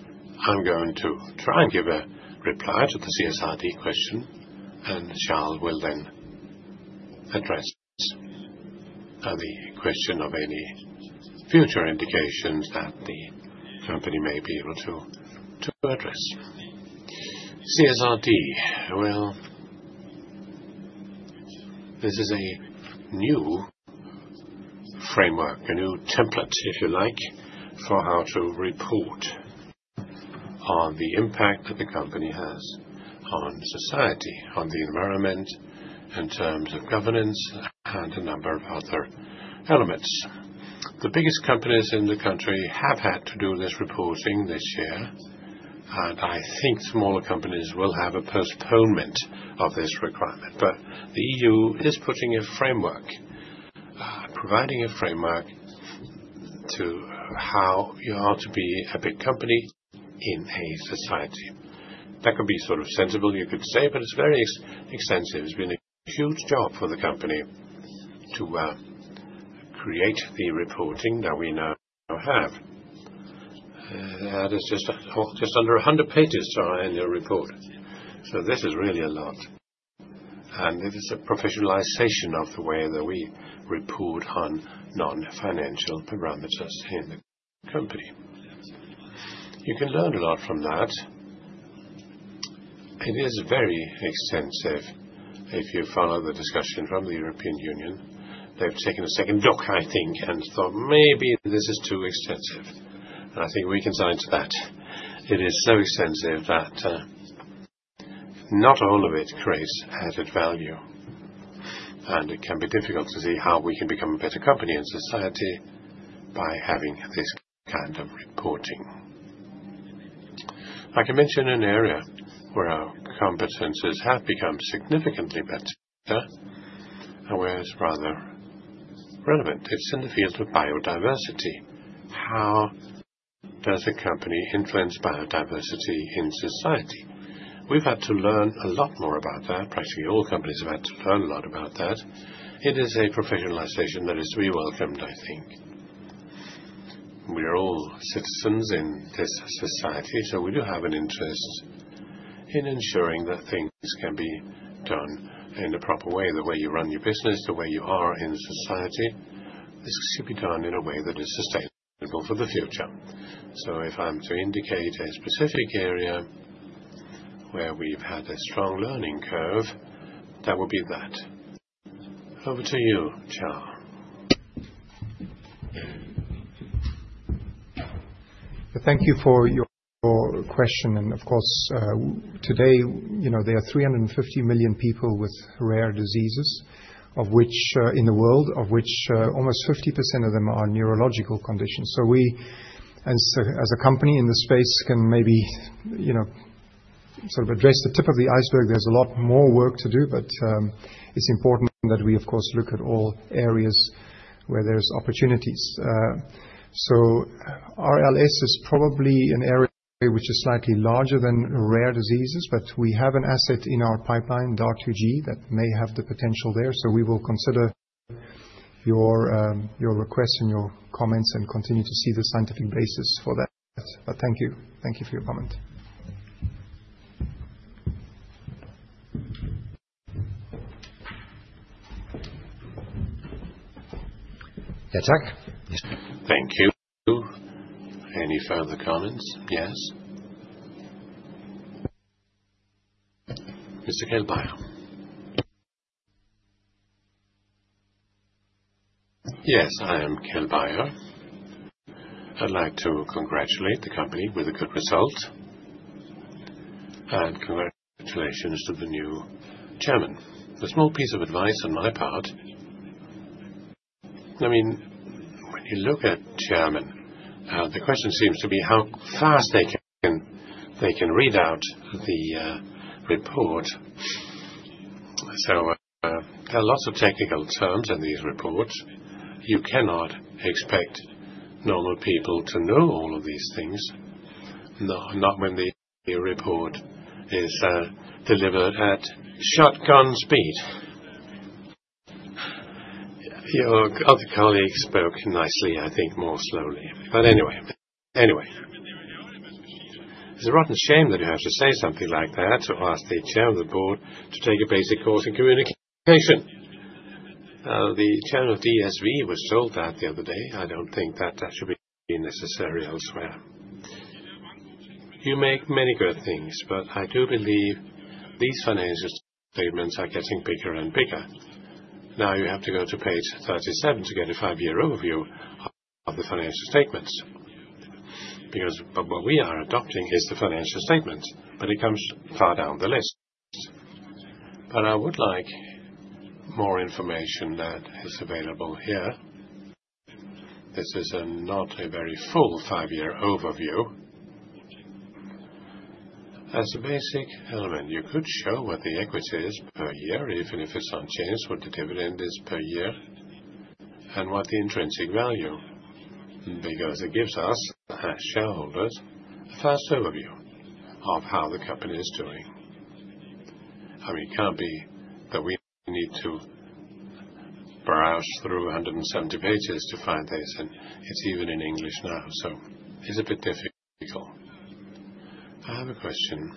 I'm going to try and give a reply to the CSRD question, and Charl will then address the question of any future indications that the company may be able to address. CSRD, well, this is a new framework, a new template, if you like, for how to report on the impact that the company has on society, on the environment, in terms of governance, and a number of other elements. The biggest companies in the country have had to do this reporting this year, and I think smaller companies will have a postponement of this requirement. But the EU is putting a framework, providing a framework to how you are to be a big company in a society. That could be sort of sensible, you could say, but it's very extensive. It's been a huge job for the company to create the reporting that we now have. That is just under a hundred pages in the report. So this is really a lot, and this is a professionalization of the way that we report on non-financial parameters in the company. You can learn a lot from that. It is very extensive if you follow the discussion from the European Union. They've taken a second look, I think, and thought, "Maybe this is too extensive." And I think we can assent to that. It is so extensive that not all of it creates added value, and it can be difficult to see how we can become a better company in society by having this kind of reporting. I can mention an area where our competencies have become significantly better and where it's rather relevant. It's in the field of biodiversity. How does a company influence biodiversity in society? We've had to learn a lot more about that. Practically all companies have had to learn a lot about that. It is a professionalization that is really welcomed, I think. We are all citizens in this society, so we do have an interest in ensuring that things can be done in a proper way. The way you run your business, the way you are in society, this should be done in a way that is sustainable for the future. So if I'm to indicate a specific area where we've had a strong learning curve, that would be that. Over to you, Charl. Thank you for your question. And of course, today, you know, there are 350 million people with rare diseases, of which, in the world, almost 50% of them are neurological conditions. So we, as a company in the space, can maybe, you know, sort of address the tip of the iceberg. There's a lot more work to do, but it's important that we, of course, look at all areas where there's opportunities. So RLS is probably an area which is slightly larger than rare diseases, but we have an asset in our pipeline, DARQIE, that may have the potential there. So we will consider your request and your comments and continue to see the scientific basis for that. But thank you. Thank you for your comment. Yeah, Chuck. Thank you. Any further comments? Yes. Mr. Kjeld Beyer. Yes, I am Kjeld Beyer. I'd like to congratulate the company with a good result, and congratulations to the new chairman. A small piece of advice on my part I mean, when you look at Chairman, the question seems to be how fast they can read out the report. So, there are lots of technical terms in these reports. You cannot expect normal people to know all of these things, not when the report is delivered at shotgun speed. Your other colleague spoke nicely, I think, more slowly, but anyway. Anyway, it's a rotten shame that you have to say something like that, to ask the Chair of the Board to take a basic course in communication. The Chair of DSV was told that the other day. I don't think that that should be necessary elsewhere. You make many good things, but I do believe these financial statements are getting bigger and bigger. Now, you have to go to page 37 to get a five-year overview of the financial statements, because, but what we are adopting is the financial statements, but it comes far down the list. But I would like more information that is available here. This is not a very full five-year overview. As a basic element, you could show what the equity is per year, even if it's unchanged, what the dividend is per year, and what the intrinsic value, because it gives us, the shareholders, a fast overview of how the company is doing. I mean, it can't be that we need to browse through 170 pages to find this, and it's even in English now, so it's a bit difficult. I have a question: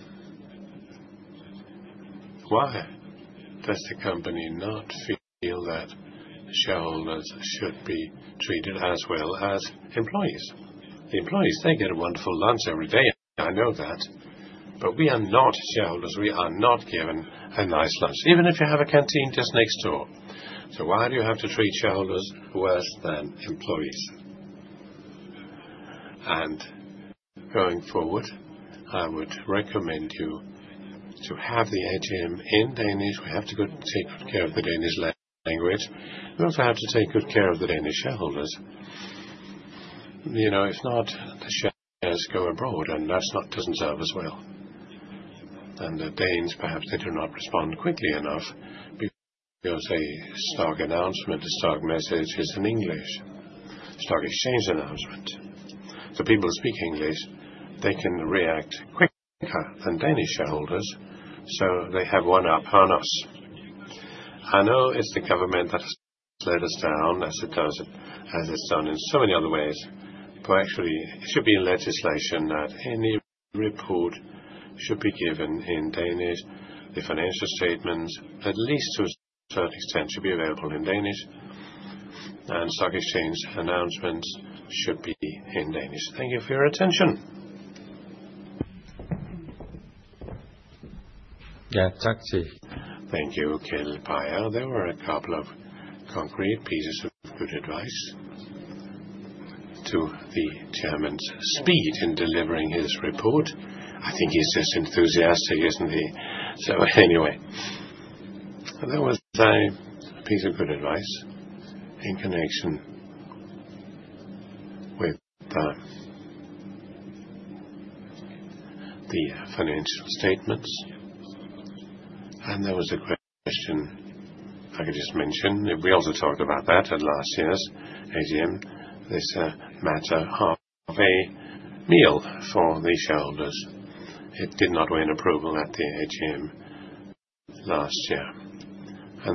Why does the company not feel that shareholders should be treated as well as employees? The employees, they get a wonderful lunch every day. I know that. But we are not shareholders. We are not given a nice lunch, even if you have a canteen just next door. So why do you have to treat shareholders worse than employees? And going forward, I would recommend you to have the AGM in Danish. We have to go take good care of the Danish language. We also have to take good care of the Danish shareholders. You know, if not, the shareholders go abroad, and that doesn't serve us well. And the Danes, perhaps they do not respond quickly enough because a stock announcement, a stock message is in English. Stock exchange announcement. The people who speak English, they can react quicker than Danish shareholders, so they have one up on us. I know it's the government that has slowed us down, as it does, as it's done in so many other ways, but actually, it should be legislation that any report should be given in Danish. The financial statements, at least to a certain extent, should be available in Danish, and stock exchange announcements should be in Danish. Thank you for your attention. Yeah. Thank you. Thank you, Kjeld Beyer. There were a couple of concrete pieces of good advice to the chairman's speed in delivering his report. I think he's just enthusiastic, isn't he? So anyway, there was a piece of good advice in connection with the financial statements, and there was a great question I could just mention. We also talked about that at last year's AGM, this matter of a meal for the shareholders. It did not win approval at the AGM last year.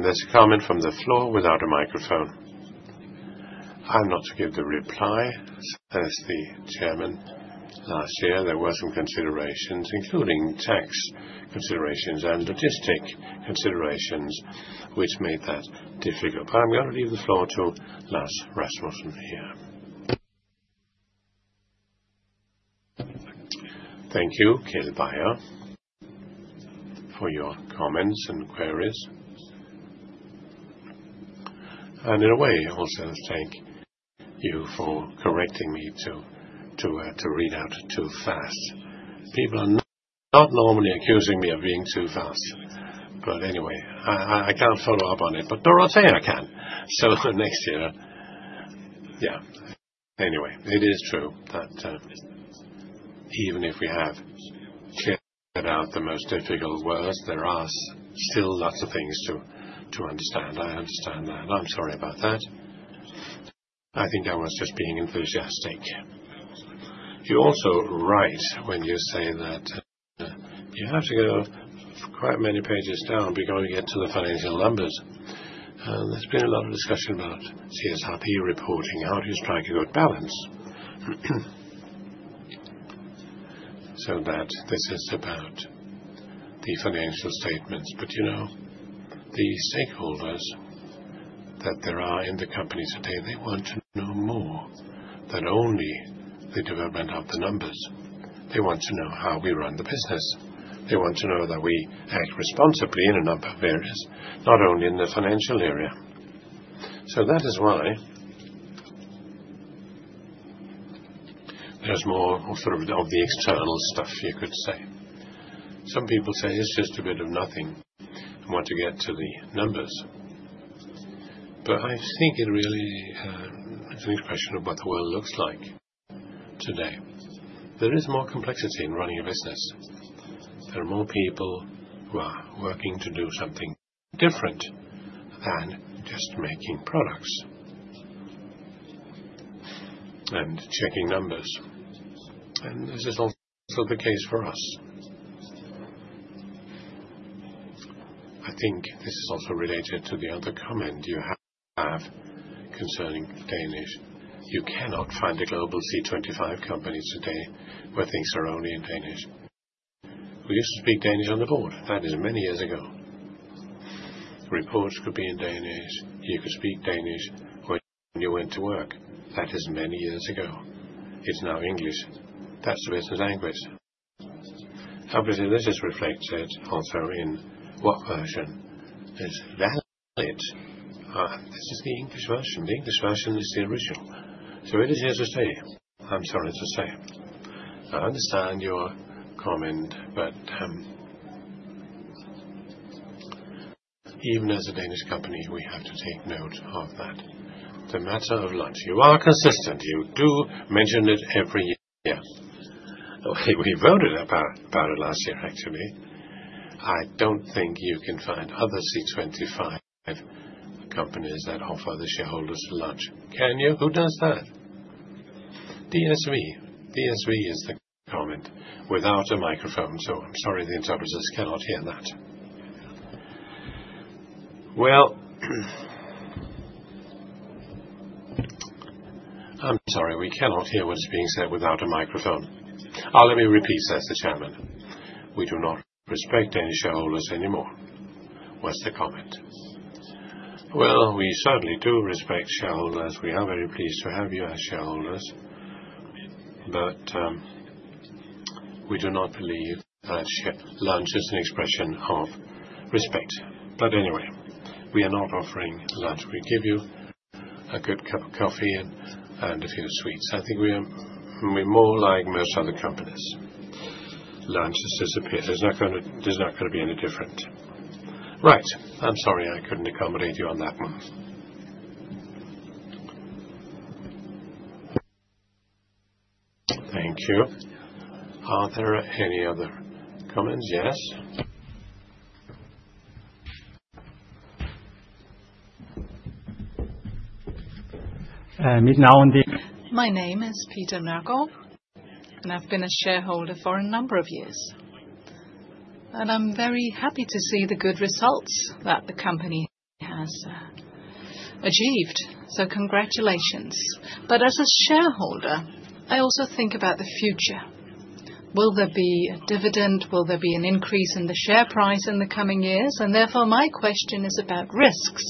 There's a comment from the floor without a microphone. I'm not to give the reply, as the chairman last year. There were some considerations, including tax considerations and logistical considerations, which made that difficult. But I'm going to leave the floor to Lars Rasmussen here. Thank you, Kjeld Beyer, for your comments and queries. And in a way, also, thank you for correcting me to read out too fast. People are not normally accusing me of being too fast, but anyway, I can't follow up on it, but Dorothea, I can. So next year. Yeah. Anyway, it is true that even if we have cleared out the most difficult words, there are still lots of things to understand. I understand that. I'm sorry about that. I think I was just being enthusiastic. You're also right when you say that you have to go quite many pages down before you get to the financial numbers. There's been a lot of discussion about CSRD reporting, how to strike a good balance, so that this is about the financial statements, but you know, the stakeholders that there are in the company today, they want to know more than only the development of the numbers. They want to know how we run the business. They want to know that we act responsibly in a number of areas, not only in the financial area, so that is why there's more sort of the external stuff you could say. Some people say it's just a bit of nothing and want to get to the numbers, but I think it really, it's a question of what the world looks like today. There is more complexity in running a business. There are more people who are working to do something different than just making products and checking numbers, and this is also the case for us. I think this is also related to the other comment you have concerning Danish. You cannot find a global C twenty-five company today where things are only in Danish. We used to speak Danish on the board, that is many years ago. Reports could be in Danish, you could speak Danish when you went to work. That is many years ago. It's now English. That's the business language. Obviously, this is reflected also in what version is valid. This is the English version. The English version is the original. So it is here to stay, I'm sorry to say. I understand your comment, but even as a Danish company, we have to take note of that. The matter of lunch, you are consistent. You do mention it every year. We voted about it last year, actually. I don't think you can find other C25 companies that offer the shareholders lunch. Can you? Who does that? DSV. DSV is the comment without a microphone, so I'm sorry, the interpreters cannot hear that. I'm sorry, we cannot hear what is being said without a microphone. Oh, let me repeat. We do not respect any shareholders anymore. What's the comment? We certainly do respect shareholders. We are very pleased to have you as shareholders, but we do not believe that lunch is an expression of respect. Anyway, we are not offering lunch. We give you a good cup of coffee and a few sweets. I think we are more like most other companies. Lunch has disappeared. There's not gonna be any different. Right. I'm sorry, I couldn't accommodate you on that one. Thank you. Are there any other comments? Yes. My name is Peter Nørgaard, and I've been a shareholder for a number of years, and I'm very happy to see the good results that the company has achieved. So congratulations. But as a shareholder, I also think about the future. Will there be a dividend? Will there be an increase in the share price in the coming years? And therefore, my question is about risks.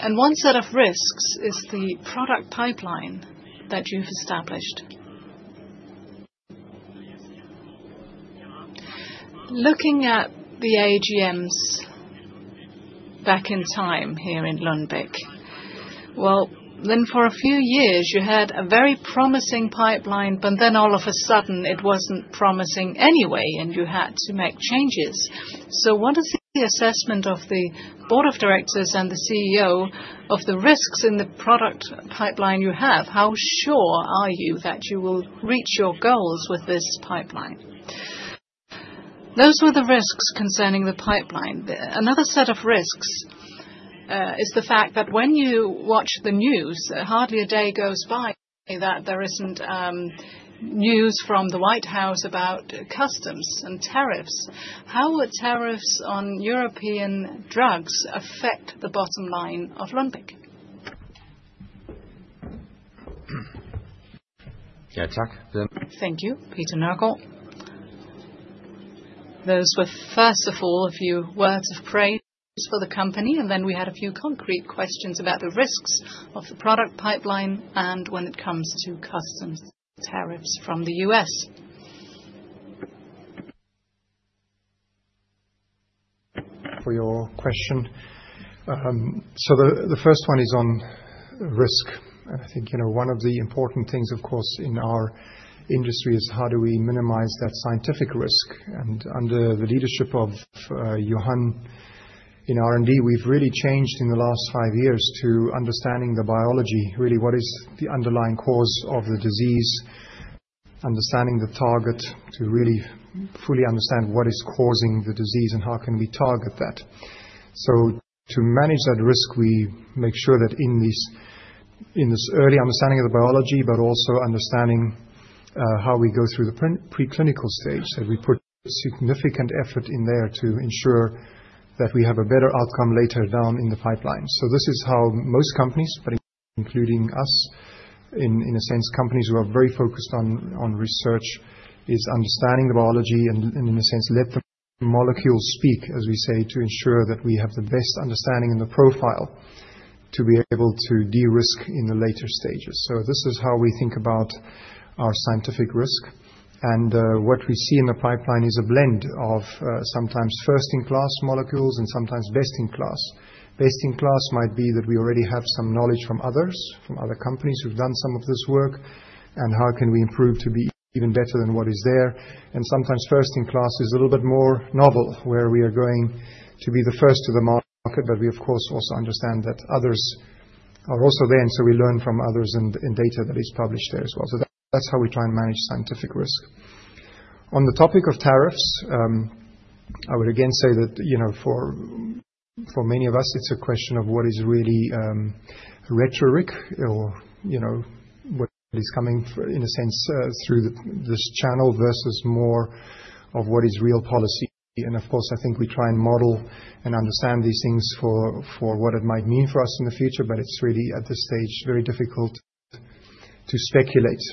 And one set of risks is the product pipeline that you've established. Looking at the AGMs back in time here in Lundbeck, well, then for a few years you had a very promising pipeline, but then all of a sudden, it wasn't promising anyway, and you had to make changes. So what is the assessment of the board of directors and the CEO of the risks in the product pipeline you have? How sure are you that you will reach your goals with this pipeline? Those were the risks concerning the pipeline. Another set of risks is the fact that when you watch the news, hardly a day goes by, that there isn't news from the White House about customs and tariffs. How will tariffs on European drugs affect the bottom line of Lundbeck? Yeah, Chuck. Thank you, Peter Nørgaard. Those were, first of all, a few words of praise for the company, and then we had a few concrete questions about the risks of the product pipeline and when it comes to customs tariffs from the U.S. For your question. So the first one is on risk. I think, you know, one of the important things, of course, in our industry is how do we minimize that scientific risk? And under the leadership of Johan, in R&D, we've really changed in the last five years to understanding the biology, really, what is the underlying cause of the disease? Understanding the target, to really fully understand what is causing the disease and how can we target that. So to manage that risk, we make sure that in this early understanding of the biology, but also understanding how we go through the preclinical stage, that we put significant effort in there to ensure that we have a better outcome later down in the pipeline. So this is how most companies, but including us, in a sense, companies who are very focused on research, is understanding the biology and in a sense, let the molecules speak, as we say, to ensure that we have the best understanding and the profile to be able to de-risk in the later stages. So this is how we think about our scientific risk, and what we see in the pipeline is a blend of sometimes first-in-class molecules and sometimes best-in-class. Best-in-class might be that we already have some knowledge from others, from other companies who've done some of this work, and how can we improve to be even better than what is there? Sometimes first-in-class is a little bit more novel, where we are going to be the first to the market, but we, of course, also understand that others are also there, and so we learn from others and data that is published there as well. That's how we try and manage scientific risk. On the topic of tariffs, I would again say that, you know, for many of us, it's a question of what is really rhetoric or, you know, what is coming, in a sense, through this channel versus more of what is real policy. Of course, I think we try and model and understand these things for what it might mean for us in the future, but it's really, at this stage, very difficult to speculate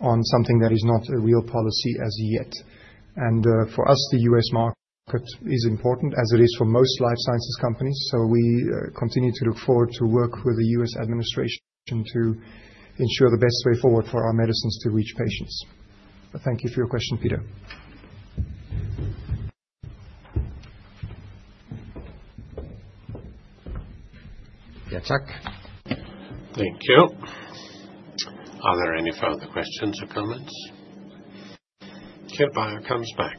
on something that is not a real policy as yet. For us, the U.S. market is important, as it is for most life sciences companies, so we continue to look forward to work with the U.S. administration to ensure the best way forward for our medicines to reach patients. Thank you for your question, Peter. Yeah, Chuck. Thank you. Are there any further questions or comments? Kjeld Beyer comes back.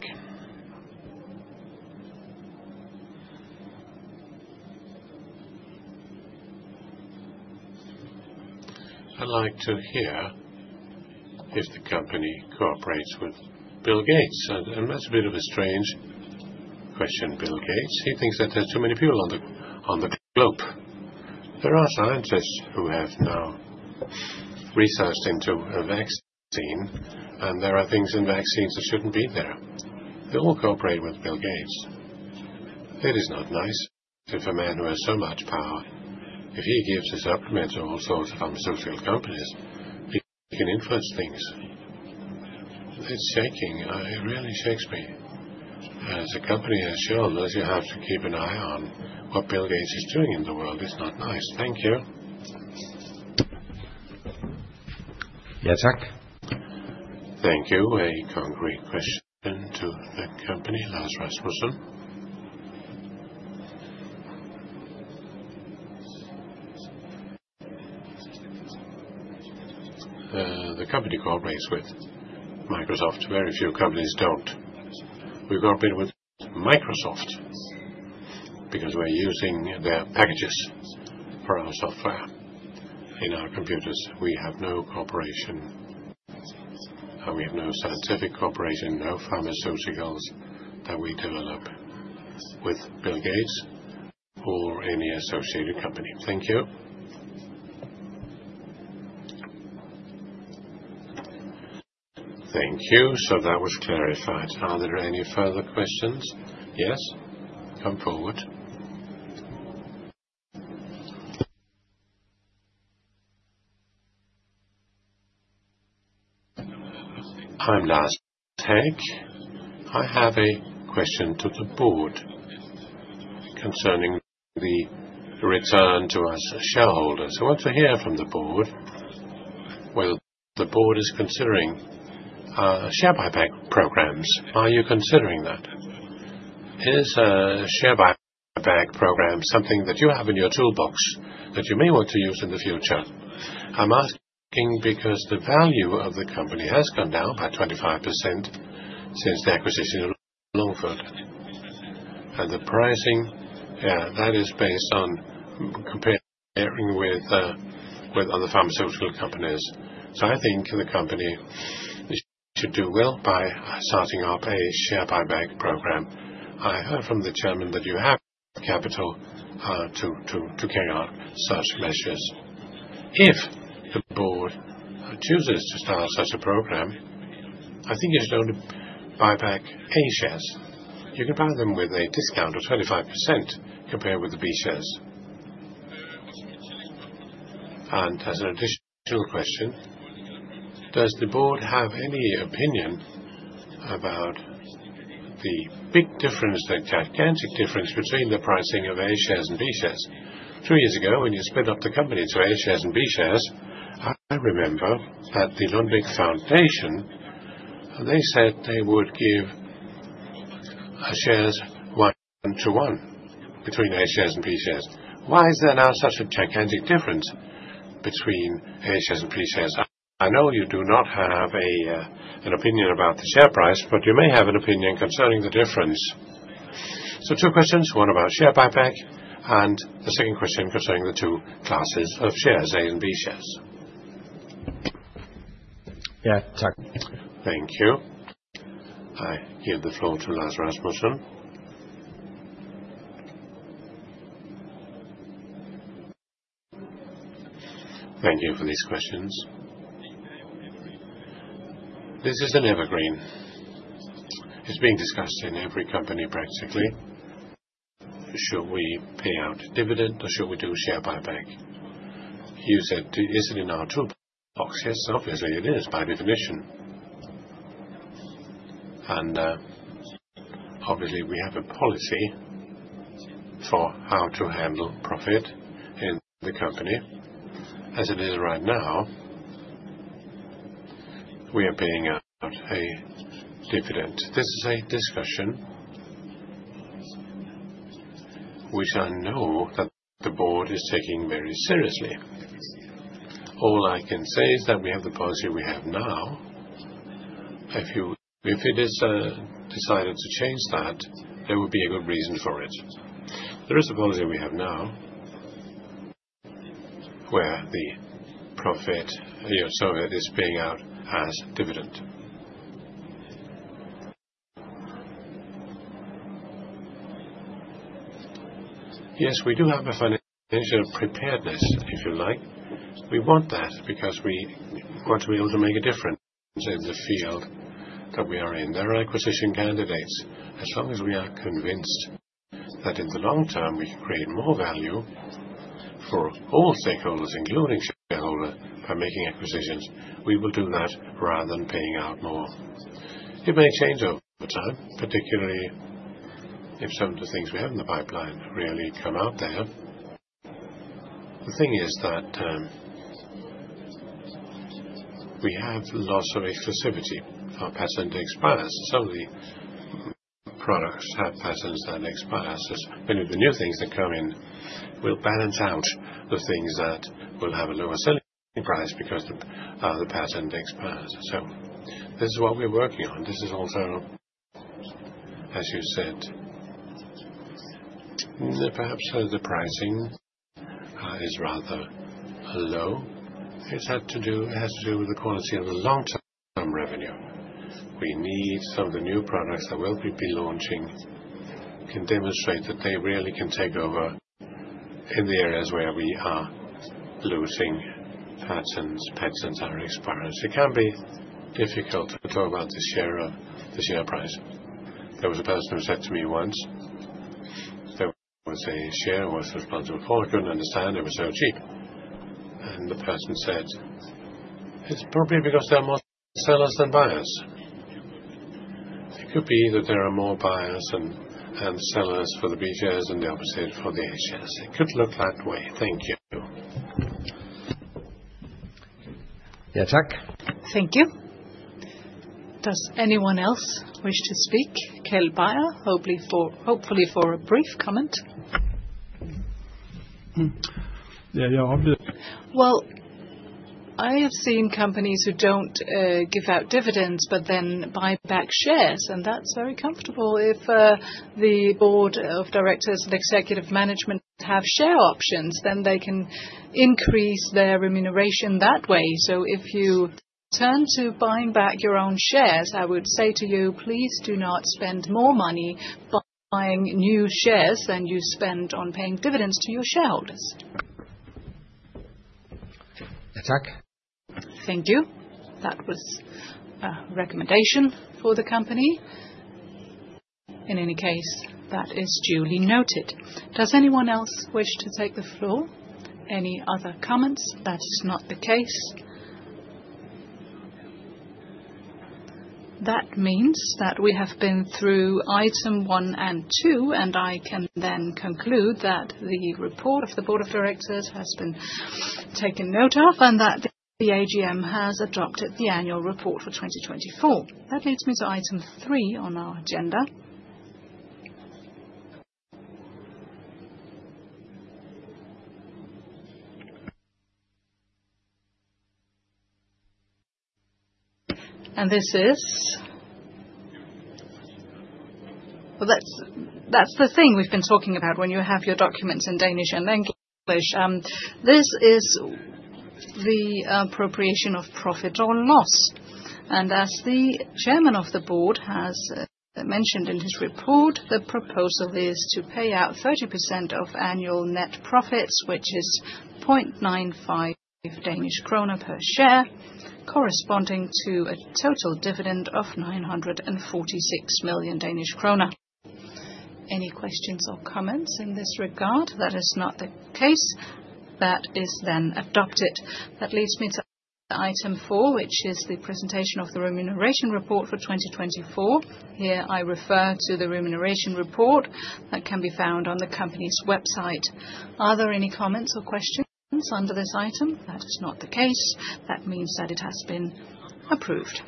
I'd like to hear if the company cooperates with Bill Gates, and that's a bit of a strange question, Bill Gates. He thinks that there are too many people on the globe. There are scientists who have now researched into a vaccine, and there are things in vaccines that shouldn't be there. They all cooperate with Bill Gates. It is not nice if a man who has so much power, if he gives his supplements to all sorts of pharmaceutical companies, he can influence things. It's shaking. It really shakes me. As a company, as shareholders, you have to keep an eye on what Bill Gates is doing in the world. It's not nice. Thank you. Yeah, Chuck. Thank you. A concrete question to the company, Lars Rasmussen. The company cooperates with Microsoft. Very few companies don't. We cooperate with Microsoft because we're using their packages for our software in our computers. We have no cooperation, and we have no scientific cooperation, no pharmaceuticals that we develop with Bill Gates or any associated company. Thank you. Thank you. So that was clarified. Are there any further questions? Yes, come forward. I'm Lars Tech. I have a question to the board concerning the return to us as shareholders. I want to hear from the board whether the board is considering share buyback programs. Are you considering that? Is a share buyback program something that you have in your toolbox that you may want to use in the future? I'm asking because the value of the company has gone down by 25% since the acquisition of Longboard. And the pricing, yeah, that is based on comparing with with other pharmaceutical companies. So I think the company should do well by starting up a share buyback program. I heard from the chairman that you have capital to carry out such measures. If the board chooses to start such a program, I think you should only buy back A shares. You can buy them with a discount of 25% compared with the B shares. And as an additional question: Does the board have any opinion about the big difference, the gigantic difference between the pricing of A shares and B shares? Three years ago, when you split up the company into A shares and B shares, I remember that the Lundbeck Foundation, they said they would give, shares one to one between A shares and B shares. Why is there now such a gigantic difference between A shares and B shares? I know you do not have a, an opinion about the share price, but you may have an opinion concerning the difference. So two questions, one about share buyback, and the second question concerning the two classes of shares, A and B shares. Yeah, Chuck. Thank you. I give the floor to Lars Rasmussen. Thank you for these questions. This is an evergreen. It's being discussed in every company, practically. Should we pay out dividend, or should we do a share buyback? You said, "Is it in our toolbox?" Yes, obviously it is, by definition.... And, obviously, we have a policy for how to handle profit in the company. As it is right now, we are paying out a dividend. This is a discussion which I know that the board is taking very seriously. All I can say is that we have the policy we have now. If it is decided to change that, there would be a good reason for it. There is a policy we have now, where the profit, you know, so it is paying out as dividend. Yes, we do have a financial preparedness, if you like. We want that because we want to be able to make a difference in the field that we are in. There are acquisition candidates as long as we are convinced that in the long term, we create more value for all stakeholders, including shareholder, by making acquisitions. We will do that rather than paying out more. It may change over time, particularly if some of the things we have in the pipeline really come out there. The thing is that we have loss of exclusivity. Our patent expires. Some of the products have patents that expires. Many of the new things that come in will balance out the things that will have a lower selling price because the patent expires. So this is what we're working on. This is also, as you said, perhaps the pricing is rather low. It has to do with the quality of the long-term revenue. We need some of the new products that we'll be launching, can demonstrate that they really can take over in the areas where we are losing patents. Patents are expiring. It can be difficult to talk about the share, the share price. There was a person who said to me once, there was a share worth of multiple four, couldn't understand it was so cheap. And the person said, "It's probably because there are more sellers than buyers." It could be that there are more buyers and sellers for the B shares and the opposite for the A shares. It could look that way. Thank you. Yeah, Chuck? Thank you. Does anyone else wish to speak? Kjeld Beyer, hopefully for a brief comment. Yeah, yeah, obvious. Well, I have seen companies who don't give out dividends, but then buy back shares, and that's very comfortable. If the board of directors and executive management have share options, then they can increase their remuneration that way. So if you turn to buying back your own shares, I would say to you, please do not spend more money buying new shares than you spend on paying dividends to your shareholders. Thank you. That was a recommendation for the company. In any case, that is duly noted. Does anyone else wish to take the floor? Any other comments? That is not the case. That means that we have been through item one and two, and I can then conclude that the report of the board of directors has been taken note of, and that the AGM has adopted the annual report for twenty twenty-four. That leads me to item three on our agenda. And this is? Well, that's, that's the thing we've been talking about when you have your documents in Danish and English. This is the appropriation of profit or loss. And as the chairman of the board has mentioned in his report, the proposal is to pay out 30% of annual net profits, which is 0.95 Danish kroner per share, corresponding to a total dividend of 946 million Danish krone. Any questions or comments in this regard? That is not the case. That leads me to item four, which is the presentation of the remuneration report for 2024. Here, I refer to the remuneration report that can be found on the company's website. Are there any comments or questions under this item? That is not the case. That means that it has been approved.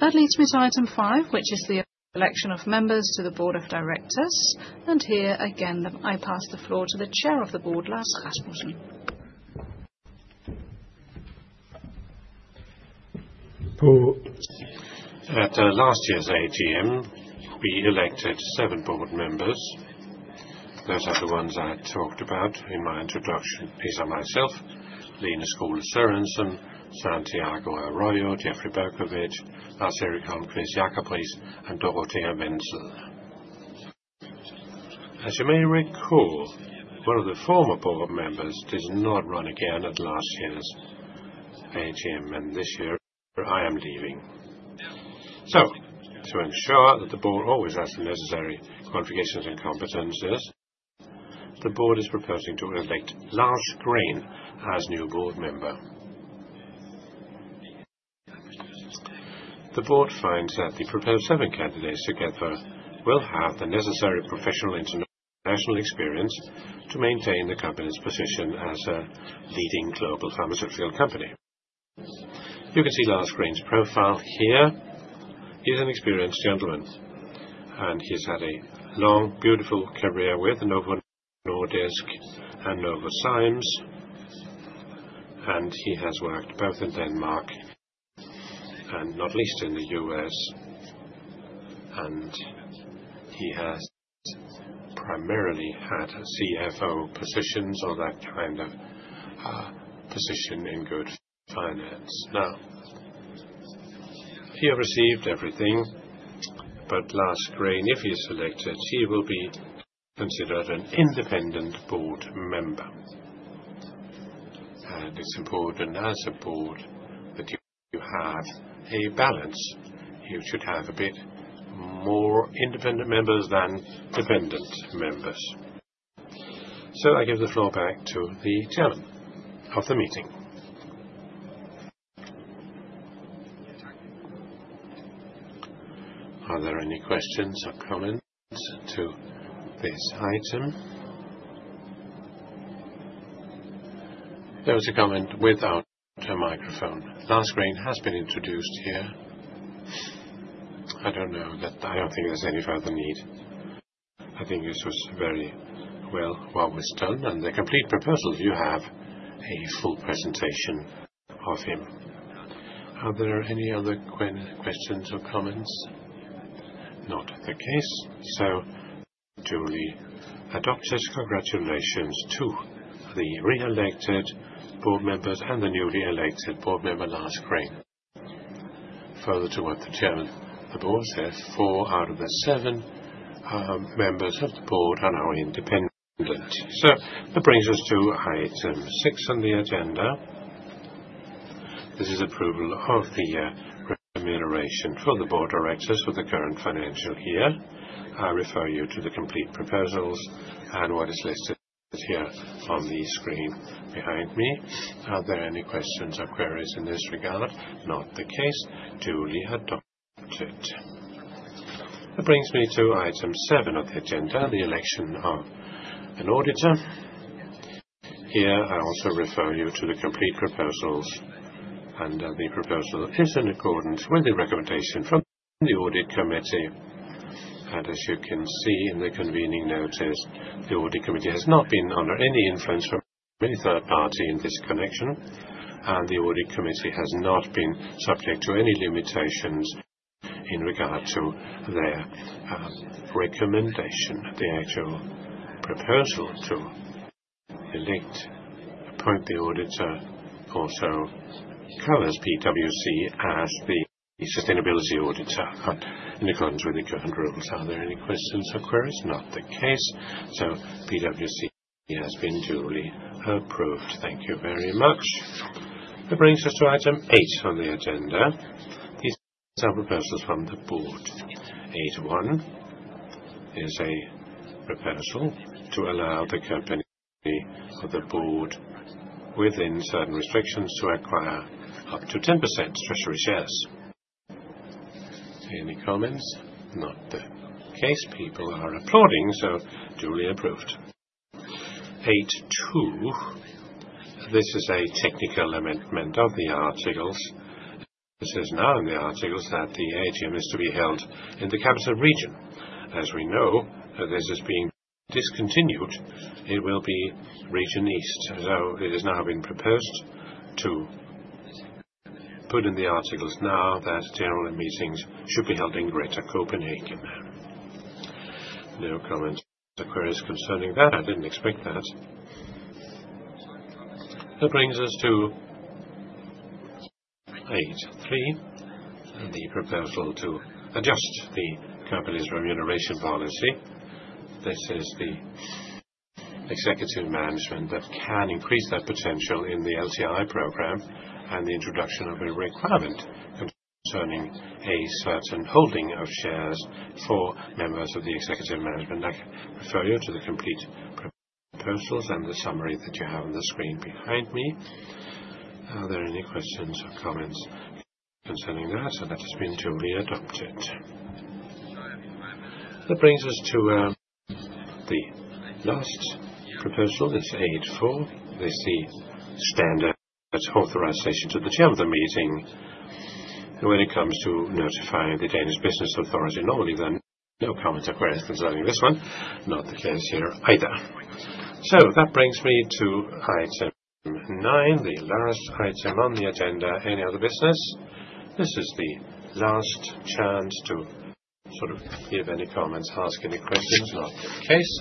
That leads me to item five, which is the election of members to the Board of Directors, and here, again, I pass the floor to the Chair of the Board, Lars Rasmussen. At last year's AGM, we elected seven board members. Those are the ones I talked about in my introduction. These are myself, Lene Skole Sørensen, Santiago Arroyo, Jeffrey Berkowitz, Lars Erik Holmquist, Jakob Riis, and Dorothea Wenzel. As you may recall, one of the former board members did not run again at last year's AGM, and this year, I am leaving. So to ensure that the board always has the necessary qualifications and competencies. The board is proposing to elect Lars Green as new board member. The board finds that the proposed seven candidates together will have the necessary professional international experience to maintain the company's position as a leading global pharmaceutical company. You can see Lars Green's profile here. He's an experienced gentleman, and he's had a long, beautiful career with Novo Nordisk and Novozymes, and he has worked both in Denmark and not least in the U.S., and he has primarily had CFO positions or that kind of position in good finance. Now, he received everything, but Lars Green, if he is selected, he will be considered an independent board member. And it's important as a board that you have a balance. You should have a bit more independent members than dependent members. So I give the floor back to the chairman of the meeting. Are there any questions or comments to this item? There was a comment without a microphone. Lars Green has been introduced here. I don't know that. I don't think there's any further need. I think this was very well, what was done, and the complete proposals, you have a full presentation of them. Are there any other questions or comments? Not the case, so duly adopted. Congratulations to the re-elected board members and the newly elected board member, Lars Green. Further to what the chairman of the board said, four out of the seven members of the board are now independent. So that brings us to item six on the agenda. This is approval of the remuneration for the board of directors for the current financial year. I refer you to the complete proposals and what is listed here on the screen behind me. Are there any questions or queries in this regard? Not the case. Duly adopted. That brings me to item seven of the agenda, the election of an auditor. Here, I also refer you to the complete proposals, and the proposal is in accordance with the recommendation from the audit committee, and as you can see in the convening notice, the audit committee has not been under any influence from any third party in this connection, and the audit committee has not been subject to any limitations in regard to their recommendation. The actual proposal to elect, appoint the auditor also covers PwC as the sustainability auditor in accordance with the current rules. Are there any questions or queries? Not the case, so PwC has been duly approved. Thank you very much. That brings us to item 8 on the agenda. These are several proposals from the board. 8-1 is a proposal to allow the company or the board, within certain restrictions, to acquire up to 10% treasury shares. Any comments? Not the case. People are applauding, so duly approved. 8.2, this is a technical amendment of the articles. It says now in the articles that the AGM is to be held in the Capital Region. As we know, this is being discontinued. It will be Region East. So it is now being proposed to put in the articles that general meetings should be held in Greater Copenhagen. No comments or queries concerning that. I didn't expect that. That brings us to 8.3, the proposal to adjust the company's remuneration policy. This is the executive management that can increase their potential in the LTI program and the introduction of a requirement concerning a certain holding of shares for members of the executive management. I can refer you to the complete proposals and the summary that you have on the screen behind me. Are there any questions or comments concerning that? So that has been duly adopted. That brings us to, the last proposal. That's eight-four. This is the standard authorization to the chair of the meeting when it comes to notifying the Danish Business Authority. Normally, then no comments or queries concerning this one, not the case here either. So that brings me to item nine, the last item on the agenda. Any other business? This is the last chance to sort of give any comments, ask any questions. Not the case.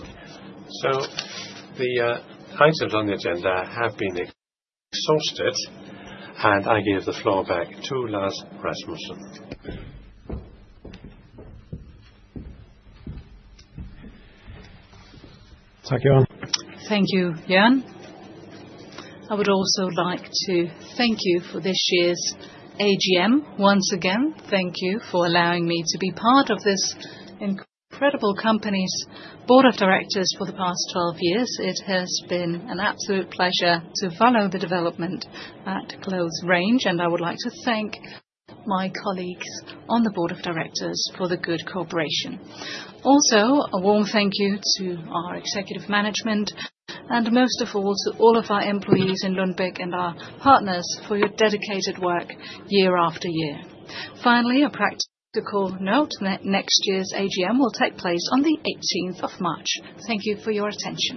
So the, items on the agenda have been exhausted, and I give the floor back to Lars Rasmussen. Thank you, Jørgen. I would also like to thank you for this year's AGM. Once again, thank you for allowing me to be part of this incredible company's board of directors for the past twelve years. It has been an absolute pleasure to follow the development at close range, and I would like to thank my colleagues on the board of directors for the good cooperation. Also, a warm thank you to our executive management, and most of all, to all of our employees in Lundbeck and our partners for your dedicated work year after year. Finally, a practical note, next year's AGM will take place on the eighteenth of March. Thank you for your attention.